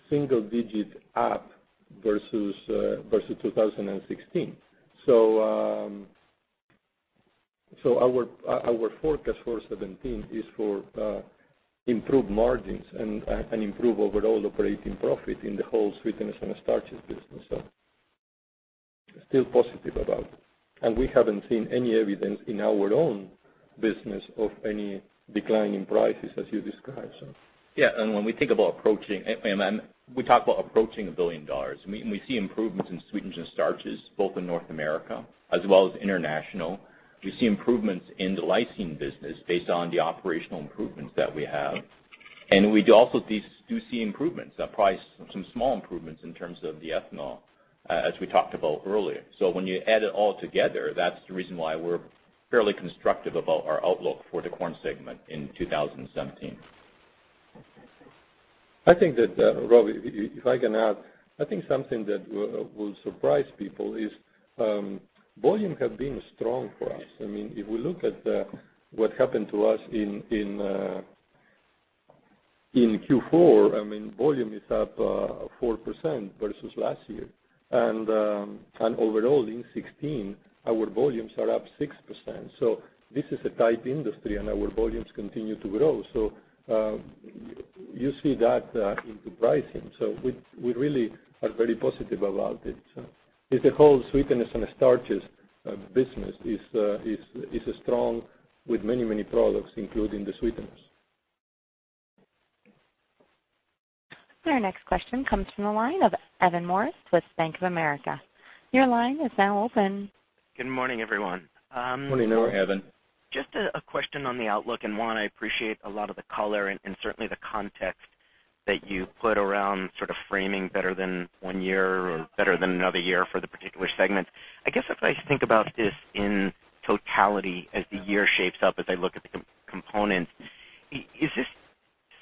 [SPEAKER 3] single digit up versus 2016. Our forecast for 2017 is for improved margins and improved overall operating profit in the whole sweeteners and starches business. Still positive about it. We haven't seen any evidence in our own business of any decline in prices as you described.
[SPEAKER 4] Yeah. When we talk about approaching $1 billion, we see improvements in sweeteners and starches both in North America as well as international. We see improvements in the lysine business based on the operational improvements that we have. We also do see improvements, probably some small improvements, in terms of the ethanol, as we talked about earlier. When you add it all together, that's the reason why we're fairly constructive about our outlook for the corn segment in 2017.
[SPEAKER 3] I think that, Rob, if I can add, I think something that will surprise people is volume has been strong for us. If we look at what happened to us in Q4, volume is up 4% versus last year. Overall in 2016, our volumes are up 6%. This is a tight industry, and our volumes continue to grow. You see that in the pricing. We really are very positive about it. The whole sweeteners and starches business is strong with many products, including the sweeteners.
[SPEAKER 1] Our next question comes from the line of Evan Morris with Bank of America. Your line is now open.
[SPEAKER 9] Good morning, everyone.
[SPEAKER 3] Good morning. How are you, Evan?
[SPEAKER 9] Just a question on the outlook. Juan, I appreciate a lot of the color and certainly the context that you put around sort of framing better than one year or better than another year for the particular segment. I guess if I think about this in totality as the year shapes up, as I look at the components, is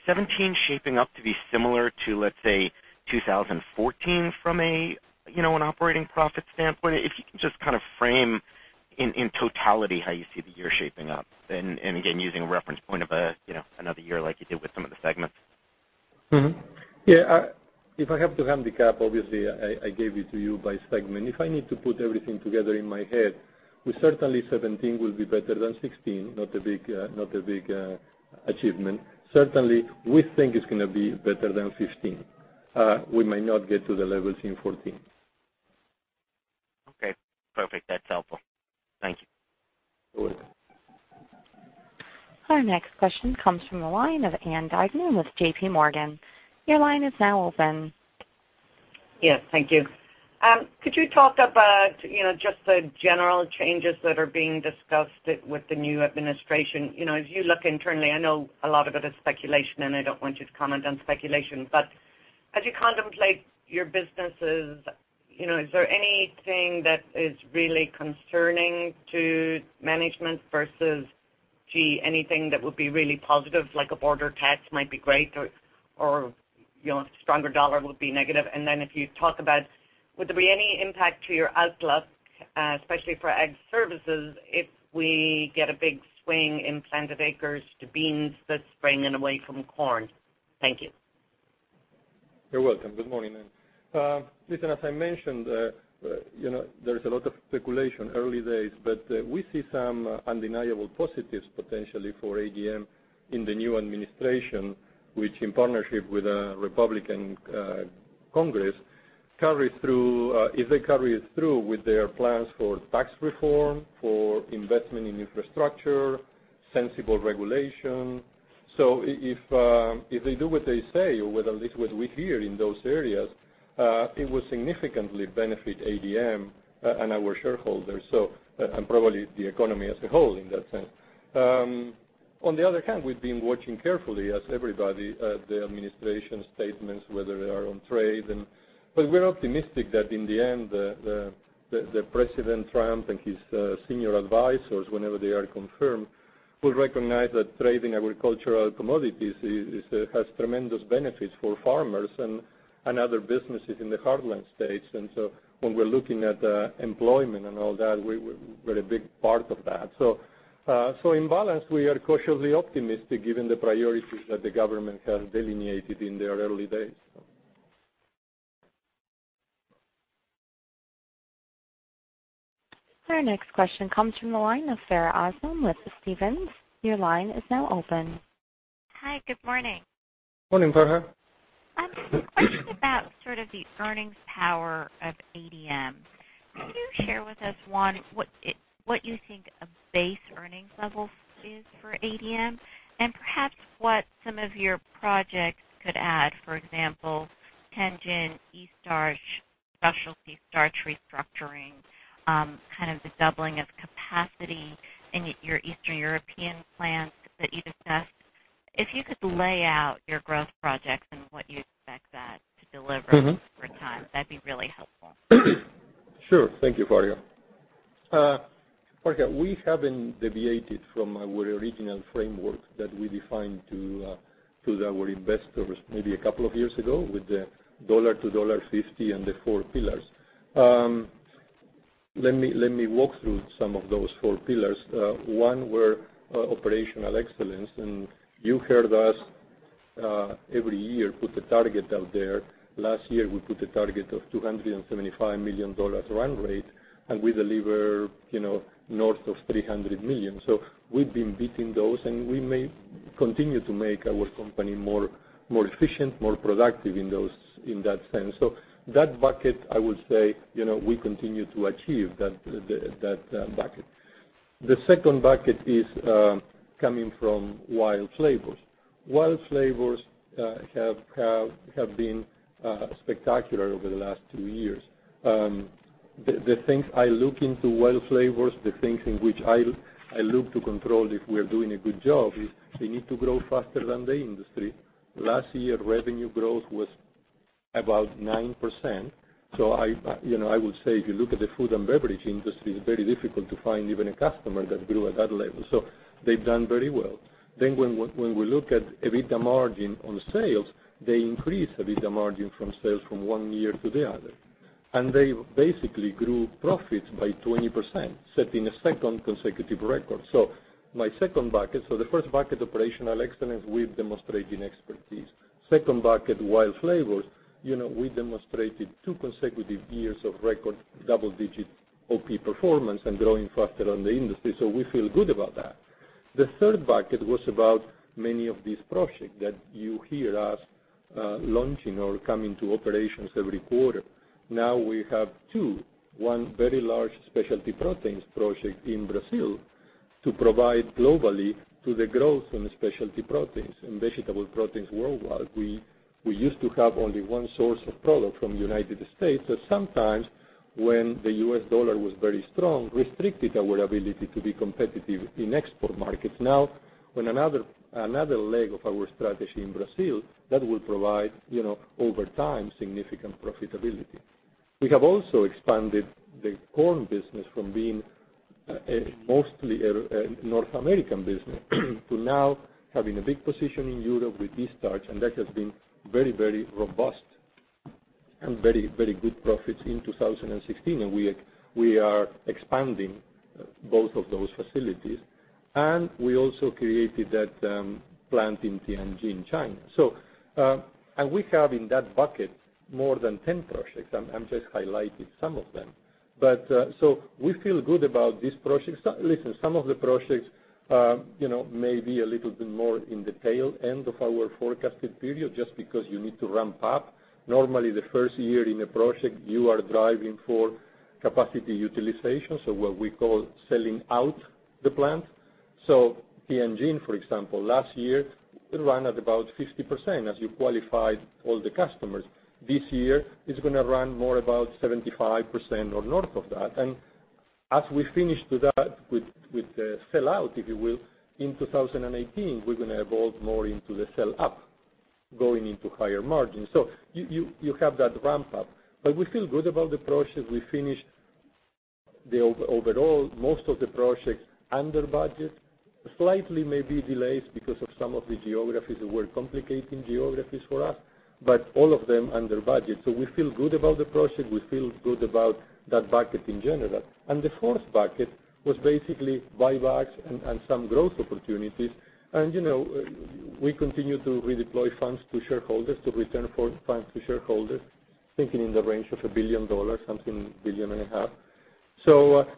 [SPEAKER 9] 2017 shaping up to be similar to, let's say, 2014 from an operating profit standpoint? If you can just kind of frame in totality how you see the year shaping up. Again, using a reference point of another year like you did with some of the segments.
[SPEAKER 3] Yeah. If I have to handicap, obviously, I gave it to you by segment. If I need to put everything together in my head, certainly 2017 will be better than 2016, not a big achievement. Certainly, we think it's going to be better than 2015. We might not get to the levels in 2014.
[SPEAKER 9] Okay. Perfect. That's helpful. Thank you.
[SPEAKER 3] You're welcome.
[SPEAKER 1] Our next question comes from the line of Ann Duignan with JPMorgan. Your line is now open.
[SPEAKER 10] Yes. Thank you. Could you talk about just the general changes that are being discussed with the new administration? As you look internally, I know a lot of it is speculation, and I don't want you to comment on speculation, As you contemplate your businesses, is there anything that is really concerning to management versus, gee, anything that would be really positive, like a border tax might be great or stronger dollar would be negative? Then if you talk about, would there be any impact to your outlook, especially for Ag Services, if we get a big swing in planted acres to beans this spring and away from corn? Thank you.
[SPEAKER 3] You're welcome. Good morning. Listen, as I mentioned, there's a lot of speculation, early days. We see some undeniable positives potentially for ADM in the new administration, which in partnership with a Republican Congress, if they carry it through with their plans for tax reform, for investment in infrastructure, sensible regulation. If they do what they say, or at least what we hear in those areas, it will significantly benefit ADM and our shareholders, and probably the economy as a whole in that sense. On the other hand, we've been watching carefully as everybody, the administration statements, whether they are on trade. We're optimistic that in the end, President Trump and his senior advisors, whenever they are confirmed, will recognize that trading agricultural commodities has tremendous benefits for farmers and other businesses in the Heartland states. When we're looking at employment and all that, we're a big part of that. In balance, we are cautiously optimistic given the priorities that the government has delineated in their early days.
[SPEAKER 1] Our next question comes from the line of Farha Aslam with Stephens. Your line is now open.
[SPEAKER 11] Hi, good morning.
[SPEAKER 3] Morning, Farha.
[SPEAKER 11] A question about the earnings power of ADM. Could you share with us, one, what you think a base earnings level is for ADM, and perhaps what some of your projects could add? For example, Tianjin, Eaststarch C.V., specialty starch restructuring, the doubling of capacity in your Eastern European plants that you discussed. If you could lay out your growth projects and what you expect that to deliver over time, that would be really helpful.
[SPEAKER 3] Sure. Thank you, Farha. Farha, we haven't deviated from our original framework that we defined to our investors maybe a couple of years ago with the $1 to $1.50 and the four pillars. Let me walk through some of those four pillars. One were Operational Excellence. You heard us every year put the target out there. Last year, we put a target of $275 million run rate. We deliver north of $300 million. We've been beating those. We may continue to make our company more efficient, more productive in that sense. That bucket, I would say, we continue to achieve that bucket. The second bucket is coming from WILD Flavors. WILD Flavors have been spectacular over the last 2 years. The things I look into WILD Flavors, the things in which I look to control if we are doing a good job is they need to grow faster than the industry. Last year, revenue growth was about 9%. I would say if you look at the food and beverage industry, it's very difficult to find even a customer that grew at that level. They've done very well. When we look at EBITDA margin on sales, they increased EBITDA margin from sales from 1 year to the other. They basically grew profits by 20%, setting a second consecutive record. The first bucket, Operational Excellence, we're demonstrating expertise. Second bucket, WILD Flavors. We demonstrated 2 consecutive years of record double-digit OP performance and growing faster than the industry. We feel good about that. The third bucket was about many of these projects that you hear us launching or coming to operations every quarter. Now we have 2, 1 very large specialty proteins project in Brazil to provide globally to the growth in specialty proteins, in vegetable proteins worldwide. We used to have only 1 source of product from the U.S., sometimes when the US dollar was very strong, restricted our ability to be competitive in export markets. Now, when another leg of our strategy in Brazil, that will provide, over time, significant profitability. We have also expanded the corn business from being mostly a North American business to now having a big position in Europe with Eaststarch C.V., that has been very robust and very good profits in 2016. We are expanding both of those facilities. We also created that plant in Tianjin, China. We have in that bucket more than 10 projects. I'm just highlighting some of them. We feel good about these projects. Listen, some of the projects may be a little bit more in the tail end of our forecasted period, just because you need to ramp up. Normally, the first year in a project, you are driving for capacity utilization, so what we call selling out the plant. Tianjin, for example, last year, it ran at about 50% as you qualified all the customers. This year, it's going to run more about 75% or north of that. As we finish with that, with the sell out, if you will, in 2018, we're going to evolve more into the sell up, going into higher margins. You have that ramp up. We feel good about the project. We finished most of the projects under budget. Slightly maybe delayed because of some of the geographies that were complicating geographies for us, but all of them under budget. We feel good about the project. We feel good about that bucket in general. The fourth bucket was basically buybacks and some growth opportunities. We continue to redeploy funds to shareholders, to return funds to shareholders, thinking in the range of $1 billion, something $1.5 billion.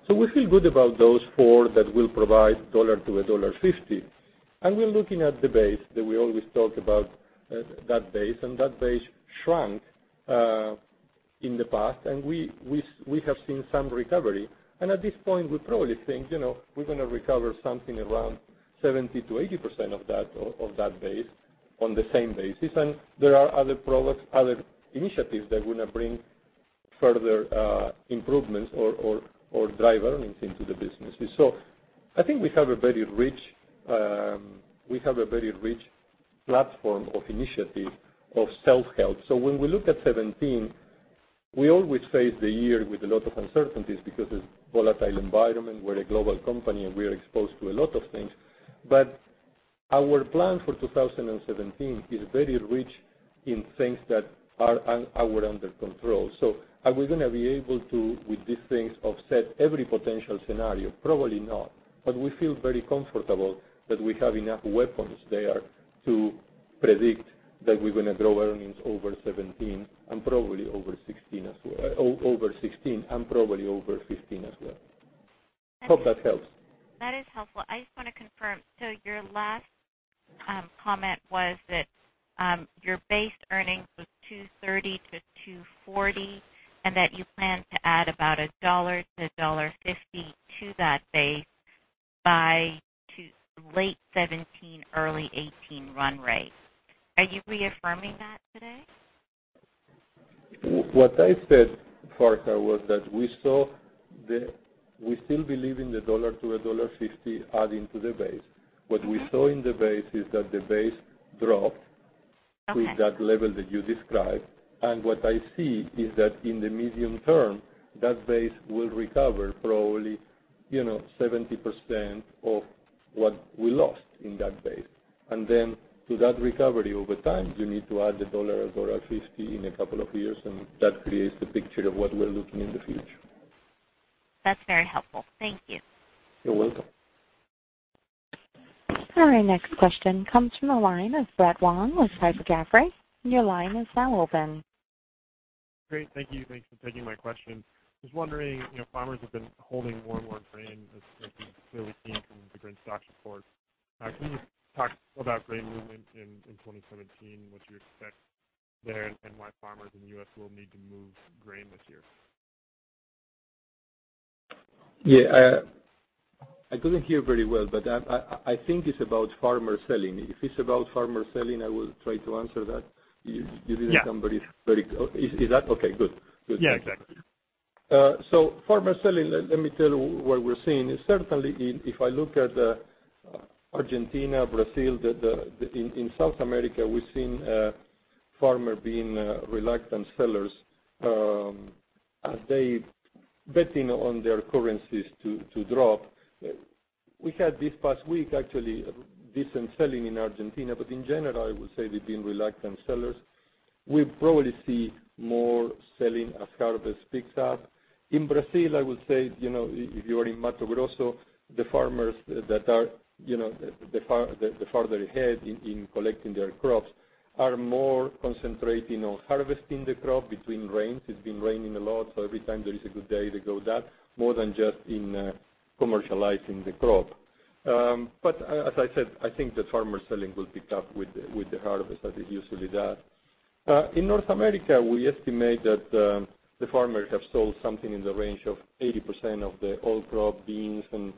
[SPEAKER 3] We feel good about those four that will provide $1 to $1.50. We're looking at the base that we always talk about, that base. That base shrank in the past, and we have seen some recovery. At this point, we probably think we're going to recover something around 70%-80% of that base on the same basis. There are other initiatives that are going to bring further improvements or drive earnings into the business. I think we have a very rich platform of initiatives of self-help. When we look at 2017, we always face the year with a lot of uncertainties because it's volatile environment. We're a global company, and we are exposed to a lot of things. Our plan for 2017 is very rich in things that are under control. Are we going to be able to, with these things, offset every potential scenario? Probably not. We feel very comfortable that we have enough weapons there to predict that we're going to grow earnings over 2017 and probably over 2016 as well, over 2016 and probably over 2015 as well. Hope that helps.
[SPEAKER 11] That is helpful. I just want to confirm, your last comment was that your base earnings was $2.30 to $2.40, and that you plan to add about $1 to $1.50 to that base by late 2017, early 2018 run rate. Are you reaffirming that today?
[SPEAKER 3] What I said, Farha, was that we still believe in the dollar to a $1.50 adding to the base. What we saw in the base is that the base dropped.
[SPEAKER 11] Okay
[SPEAKER 3] to that level that you described. What I see is that in the medium term, that base will recover probably 70% of what we lost in that base. To that recovery, over time, you need to add the dollar, $1.50 in a couple of years, and that creates the picture of what we're looking in the future.
[SPEAKER 11] That's very helpful. Thank you.
[SPEAKER 3] You're welcome.
[SPEAKER 1] Our next question comes from the line of Brett Wong with Piper Jaffray. Your line is now open.
[SPEAKER 12] Great. Thank you. Thanks for taking my question. Just wondering, farmers have been holding more and more grain, as we've clearly seen from the grain stocks report. Can you talk about grain movement in 2017, what you expect there, and why farmers in the U.S. will need to move grain this year?
[SPEAKER 3] Yeah. I couldn't hear very well, but I think it's about farmer selling. If it's about farmer selling, I will try to answer that. You didn't sound very-
[SPEAKER 12] Yeah.
[SPEAKER 3] Is that okay? Good.
[SPEAKER 12] Yeah, exactly.
[SPEAKER 3] Farmer selling, let me tell you what we're seeing. Certainly, if I look at Argentina, Brazil, in South America, we're seeing farmer being reluctant sellers as they betting on their currencies to drop. We had this past week, actually, decent selling in Argentina. In general, I would say they've been reluctant sellers. We probably see more selling as harvest picks up. In Brazil, I would say, if you are in Mato Grosso, the farmers that are the farther ahead in collecting their crops are more concentrating on harvesting the crop between rains. It's been raining a lot, every time there is a good day, they go that more than just in commercializing the crop. As I said, I think the farmer selling will pick up with the harvest as it usually does. In North America, we estimate that the farmers have sold something in the range of 80% of the old crop beans and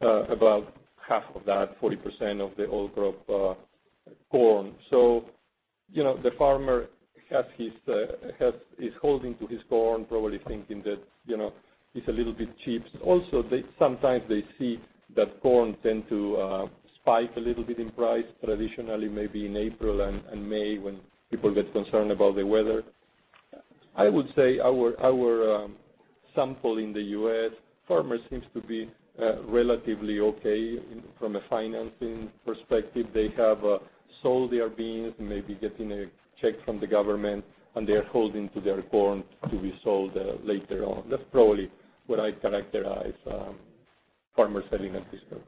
[SPEAKER 3] about half of that, 40% of the old crop corn. The farmer is holding to his corn, probably thinking that it's a little bit cheap. Also, sometimes they see that corn tend to spike a little bit in price traditionally, maybe in April and May, when people get concerned about the weather. I would say our sample in the U.S. farmer seems to be relatively okay from a financing perspective. They have sold their beans, maybe getting a check from the government, and they're holding to their corn to be sold later on. That's probably what I'd characterize farmer selling at this point.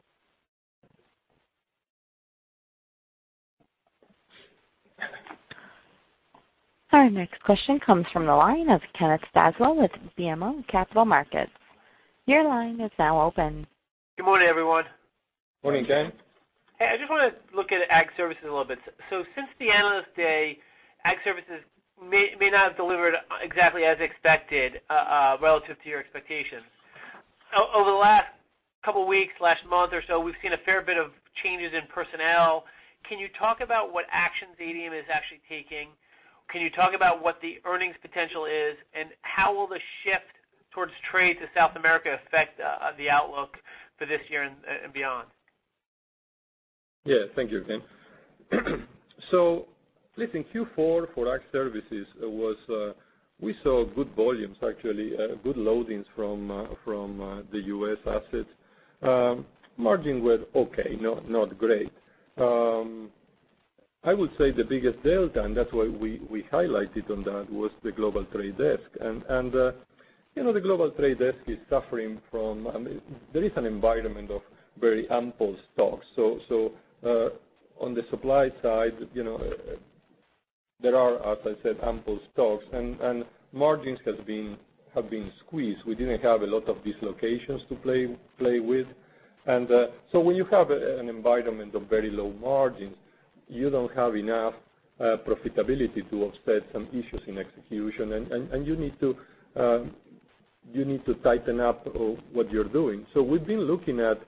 [SPEAKER 1] Our next question comes from the line of Kenneth Zaslow with BMO Capital Markets. Your line is now open.
[SPEAKER 13] Good morning, everyone.
[SPEAKER 3] Morning, Ken.
[SPEAKER 13] Hey, I just want to look at Ag Services a little bit. Since the Analyst Day, Ag Services may not have delivered exactly as expected relative to your expectations. Last month or so, we've seen a fair bit of changes in personnel. Can you talk about what actions ADM is actually taking? Can you talk about what the earnings potential is, and how will the shift towards trade to South America affect the outlook for this year and beyond?
[SPEAKER 3] Yeah. Thank you, Ken. Listen, Q4 for Ag Services, we saw good volumes actually, good loadings from the U.S. assets. Margin was okay, not great. I would say the biggest delta, and that's why we highlighted on that, was the global trade desk. The global trade desk is suffering from There is an environment of very ample stocks. On the supply side, there are, as I said, ample stocks, and margins have been squeezed. We didn't have a lot of dislocations to play with. When you have an environment of very low margins, you don't have enough profitability to offset some issues in execution, and you need to tighten up what you're doing. We've been looking at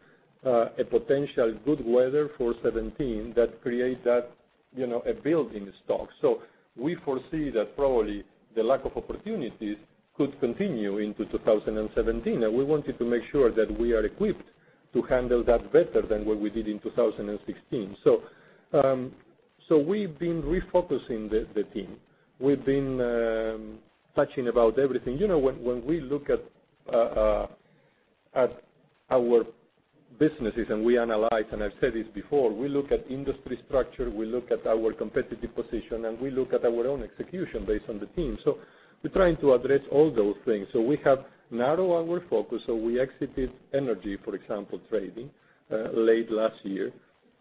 [SPEAKER 3] a potential good weather for 2017 that create that, a build in stock. We foresee that probably the lack of opportunities could continue into 2017, and we wanted to make sure that we are equipped to handle that better than what we did in 2016. We've been refocusing the team. We've been touching about everything. When we look at our businesses, and we analyze, and I've said this before, we look at industry structure, we look at our competitive position, and we look at our own execution based on the team. We're trying to address all those things. We have narrowed our focus. We exited energy, for example, trading late last year.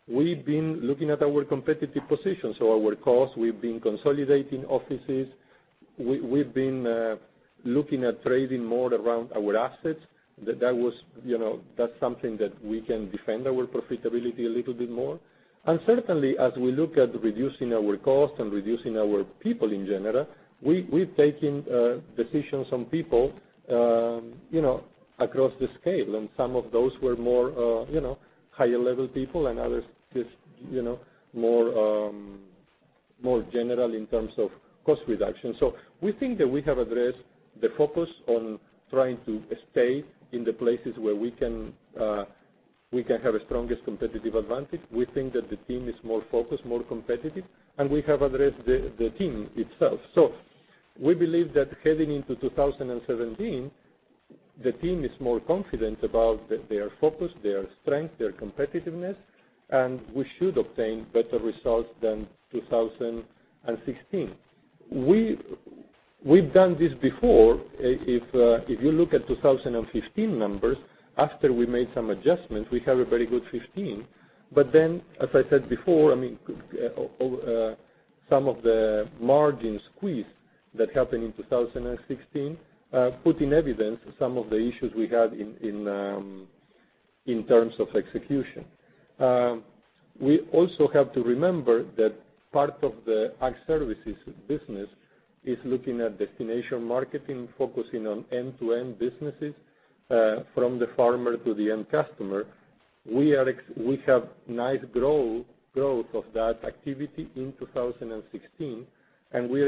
[SPEAKER 3] We've been looking at our competitive position. Our costs, we've been consolidating offices. We've been looking at trading more around our assets. That's something that we can defend our profitability a little bit more. As I said before, some of the margin squeeze that happened in 2016 put in evidence some of the issues we had in terms of execution. We also have to remember that part of the Ag Services business is looking at destination marketing, focusing on end-to-end businesses from the farmer to the end customer. We have nice growth of that activity in 2016. We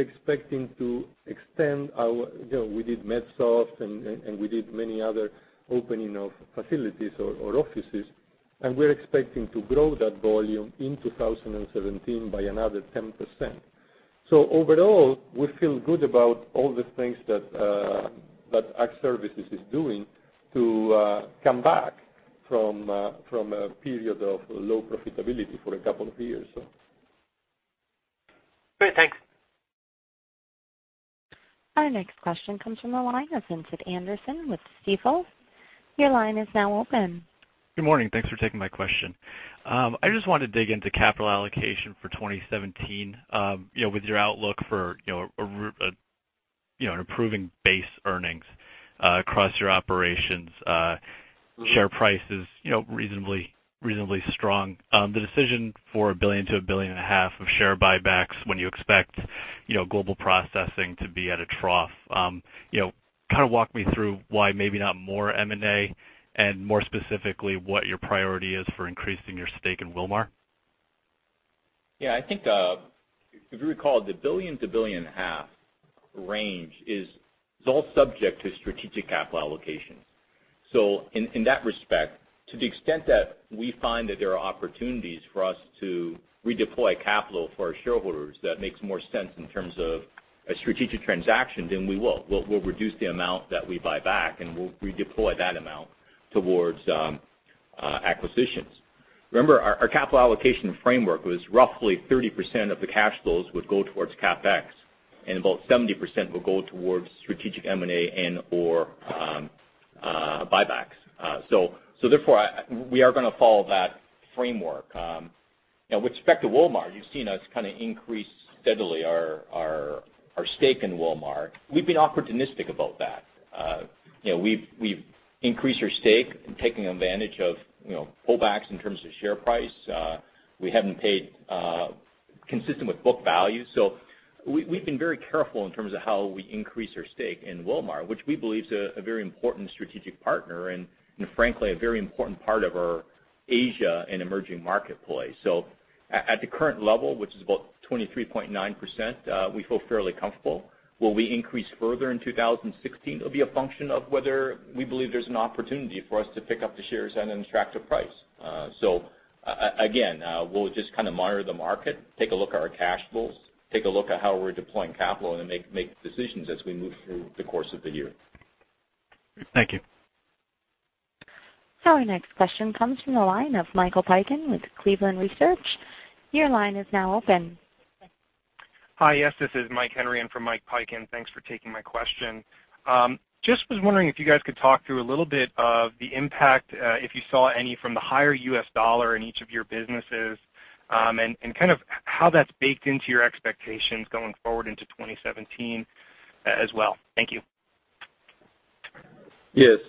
[SPEAKER 3] did Medsofts, and we did many other opening of facilities or offices,
[SPEAKER 14] Good morning. Thanks for taking my question. I just wanted to dig into capital allocation for 2017. With your outlook for an improving base earnings across your operations, share price is reasonably strong. The decision for $1 billion-$1.5 billion of share buybacks when you expect global processing to be at a trough. Kind of walk me through why maybe not more M&A, and more specifically, what your priority is for increasing your stake in Wilmar?
[SPEAKER 3] Yeah, I think, if you recall, the $1 billion-$1.5 billion range is all subject to strategic capital allocation. In that respect, to the extent that we find that there are opportunities for us to redeploy capital for our shareholders that makes more sense in terms of a strategic transaction, we will. We'll reduce the amount that we buy back, and we'll redeploy that amount towards acquisitions. Remember, our capital allocation framework was roughly 30% of the cash flows would go towards CapEx, and about 70% will go towards strategic M&A and/or buybacks. Therefore, we are going to follow that framework. With respect to Wilmar, you've seen us kind of increase steadily our stake in Wilmar. We've been opportunistic about that. We've increased our stake, taking advantage of pullbacks in terms of share price. We haven't paid
[SPEAKER 4] Consistent with book value. We've been very careful in terms of how we increase our stake in Wilmar, which we believe is a very important strategic partner, and frankly, a very important part of our Asia and emerging market play. At the current level, which is about 23.9%, we feel fairly comfortable. Will we increase further in 2016? It'll be a function of whether we believe there's an opportunity for us to pick up the shares at an attractive price. Again, we'll just kind of monitor the market, take a look at our cash flows, take a look at how we're deploying capital, and make decisions as we move through the course of the year.
[SPEAKER 14] Thank you.
[SPEAKER 1] Our next question comes from the line of Michael Piken with Cleveland Research Company. Your line is now open.
[SPEAKER 15] Hi. Yes, this is Mike Henry in from Michael Piken, thanks for taking my question. Just was wondering if you guys could talk through a little bit of the impact, if you saw any, from the higher US dollar in each of your businesses, and kind of how that's baked into your expectations going forward into 2017, as well. Thank you.
[SPEAKER 3] Yes.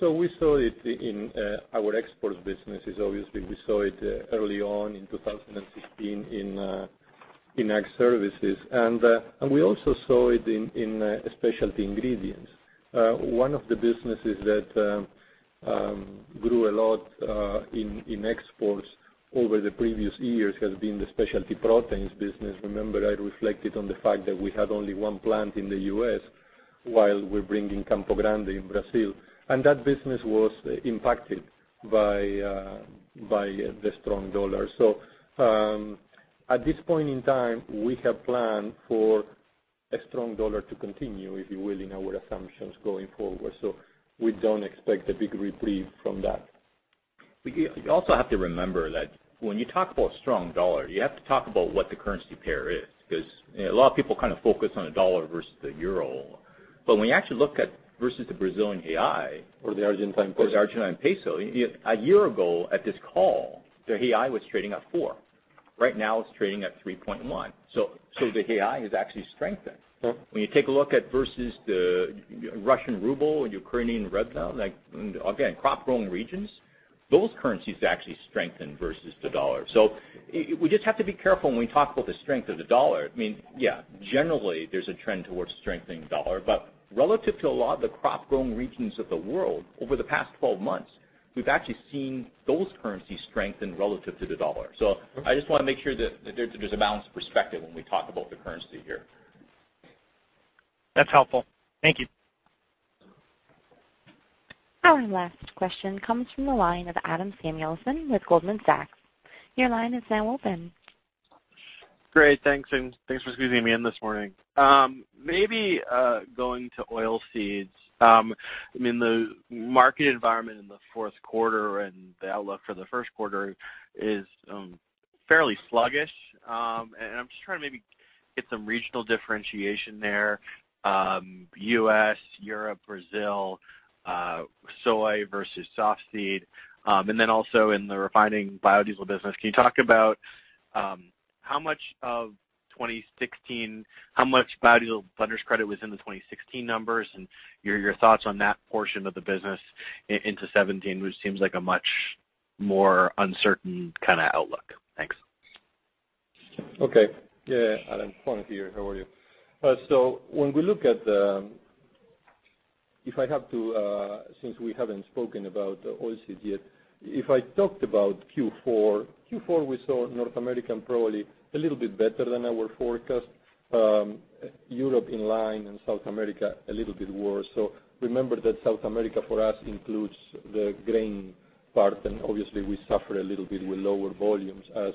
[SPEAKER 3] We saw it in our exports businesses, obviously. We saw it early on in 2016 in Ag Services. We also saw it in specialty ingredients. One of the businesses that grew a lot in exports over the previous years has been the specialty proteins business. Remember, I reflected on the fact that we had only one plant in the U.S. while we're bringing Campo Grande in Brazil, and that business was impacted by the strong dollar. At this point in time, we have planned for a strong dollar to continue, if you will, in our assumptions going forward. We don't expect a big reprieve from that.
[SPEAKER 4] You also have to remember that when you talk about strong dollar, you have to talk about what the currency pair is. A lot of people kind of focus on the dollar versus the euro. When you actually look at versus the Brazilian real-
[SPEAKER 3] The Argentine peso.
[SPEAKER 4] The Argentine peso, a year ago at this call, the real was trading at 4. Right now, it's trading at 3.1. The real has actually strengthened.
[SPEAKER 3] Sure.
[SPEAKER 4] When you take a look at versus the Russian ruble or Ukrainian hryvnia, again, crop-growing regions, those currencies actually strengthened versus the dollar. We just have to be careful when we talk about the strength of the dollar. I mean, generally there's a trend towards strengthening the dollar, but relative to a lot of the crop-growing regions of the world, over the past 12 months, we've actually seen those currencies strengthen relative to the dollar. I just want to make sure that there's a balanced perspective when we talk about the currency here.
[SPEAKER 15] That's helpful. Thank you.
[SPEAKER 1] Our last question comes from the line of Adam Samuelson with Goldman Sachs. Your line is now open.
[SPEAKER 16] Great, thanks, and thanks for squeezing me in this morning. Maybe going to oil seeds. The market environment in the fourth quarter and the outlook for the first quarter is fairly sluggish. I'm just trying to maybe get some regional differentiation there. U.S., Europe, Brazil, soy versus softseed. And then also in the refining biodiesel business, can you talk about how much biodiesel blender's credit was in the 2016 numbers and your thoughts on that portion of the business into 2017, which seems like a much more uncertain kind of outlook? Thanks.
[SPEAKER 3] Okay. Yeah, Adam. Juan here, how are you? Since we haven't spoken about oil seeds yet, if I talked about Q4 we saw North America probably a little bit better than our forecast. Europe in line and South America a little bit worse. Remember that South America for us includes the grain part, and obviously we suffered a little bit with lower volumes as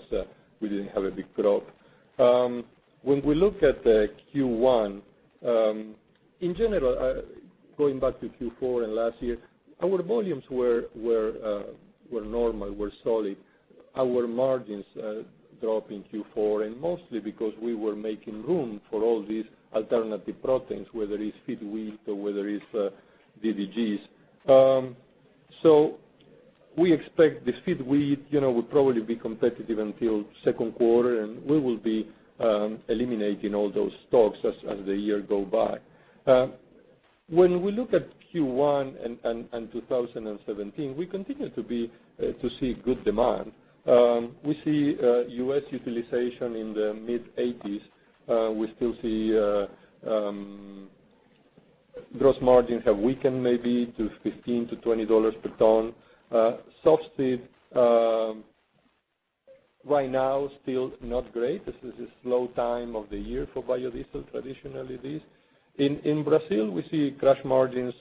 [SPEAKER 3] we didn't have a big crop. When we look at Q1, in general, going back to Q4 and last year, our volumes were normal, were solid. Our margins dropped in Q4, and mostly because we were making room for all these alternative proteins, whether it's feed wheat or whether it's DDGs. We expect this feed wheat would probably be competitive until second quarter, and we will be eliminating all those stocks as the year go by. When we look at Q1 and 2017, we continue to see good demand. We see U.S. utilization in the mid-80s. We still see gross margins have weakened maybe to $15-$20 per ton. Soft seed, right now, still not great. This is a slow time of the year for biodiesel, traditionally it is. In Brazil, we see crush margins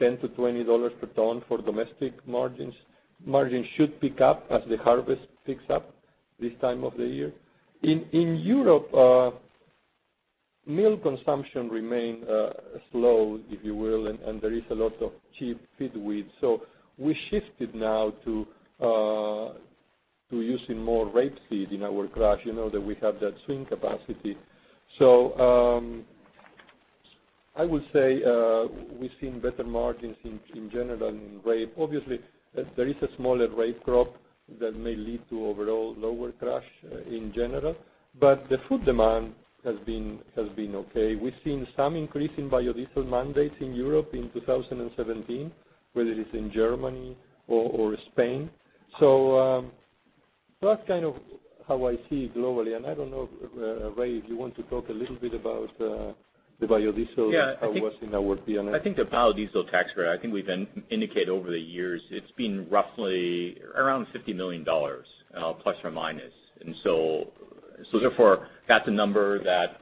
[SPEAKER 3] $10-$20 per ton for domestic margins. Margins should pick up as the harvest picks up this time of the year. In Europe, meal consumption remain slow, if you will, and there is a lot of cheap feed wheat. We shifted now to using more rapeseed in our crush, you know that we have that twin capacity. I would say we've seen better margins in general in rape. Obviously, there is a smaller rape crop that may lead to overall lower crush in general, but the food demand has been okay. We've seen some increase in biodiesel mandates in Europe in 2017. Whether it is in Germany or Spain. That's kind of how I see it globally, and I don't know, Ray, if you want to talk a little bit about the biodiesel-
[SPEAKER 4] Yeah.
[SPEAKER 3] How it was in our P&L.
[SPEAKER 4] I think the biodiesel tax credit, I think we've indicated over the years, it's been roughly around $50 million, plus or minus. That's a number that,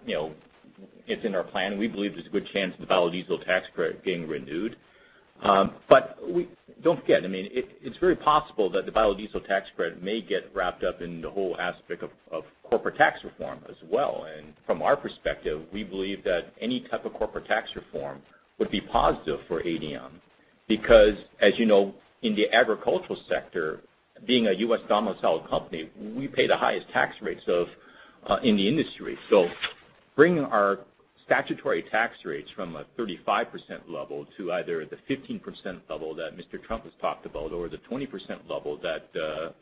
[SPEAKER 4] it's in our plan, and we believe there's a good chance the biodiesel tax credit getting renewed. Don't forget, it's very possible that the biodiesel tax credit may get wrapped up in the whole aspect of corporate tax reform as well. From our perspective, we believe that any type of corporate tax reform would be positive for ADM. Because, as you know, in the agricultural sector, being a U.S. domiciled company, we pay the highest tax rates in the industry. Bringing our statutory tax rates from a 35% level to either the 15% level that Mr. Trump has talked about or the 20% level that the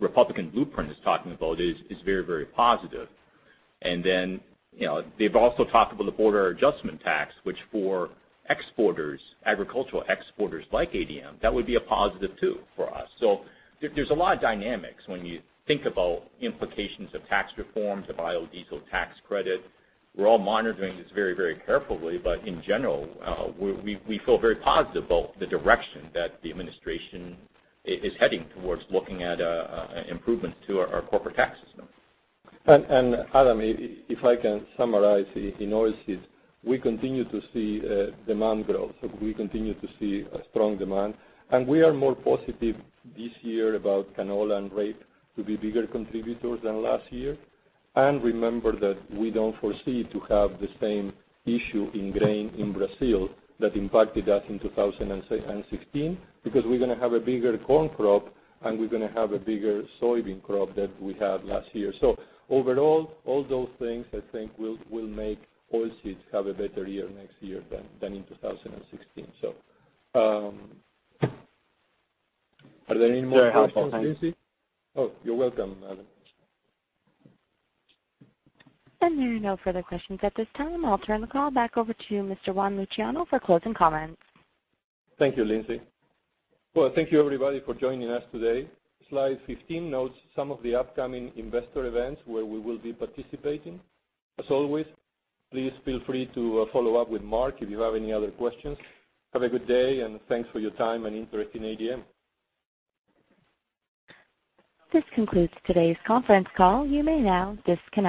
[SPEAKER 4] Republican blueprint is talking about is very, very positive. They've also talked about the border adjustment tax, which for exporters, agricultural exporters like ADM, that would be a positive too, for us. There's a lot of dynamics when you think about implications of tax reforms, of biodiesel tax credit. We're all monitoring this very, very carefully, but in general, we feel very positive about the direction that the administration is heading towards looking at improvements to our corporate tax system.
[SPEAKER 3] Adam, if I can summarize, in oilseeds, we continue to see demand growth. We continue to see a strong demand, and we are more positive this year about canola and rapeseed to be bigger contributors than last year. Remember that we don't foresee to have the same issue in grain in Brazil that impacted us in 2016, because we're going to have a bigger corn crop, and we're going to have a bigger soybean crop than we had last year. Overall, all those things, I think will make oilseeds have a better year next year than in 2016. Are there any more questions, Lindsay? Oh, you're welcome, Adam.
[SPEAKER 1] There are no further questions at this time. I'll turn the call back over to Mr. Juan Luciano for closing comments.
[SPEAKER 3] Thank you, Lindsay. Thank you everybody for joining us today. Slide 15 notes some of the upcoming investor events where we will be participating. As always, please feel free to follow up with Mark if you have any other questions. Have a good day, and thanks for your time and interest in ADM.
[SPEAKER 1] This concludes today's conference call. You may now disconnect.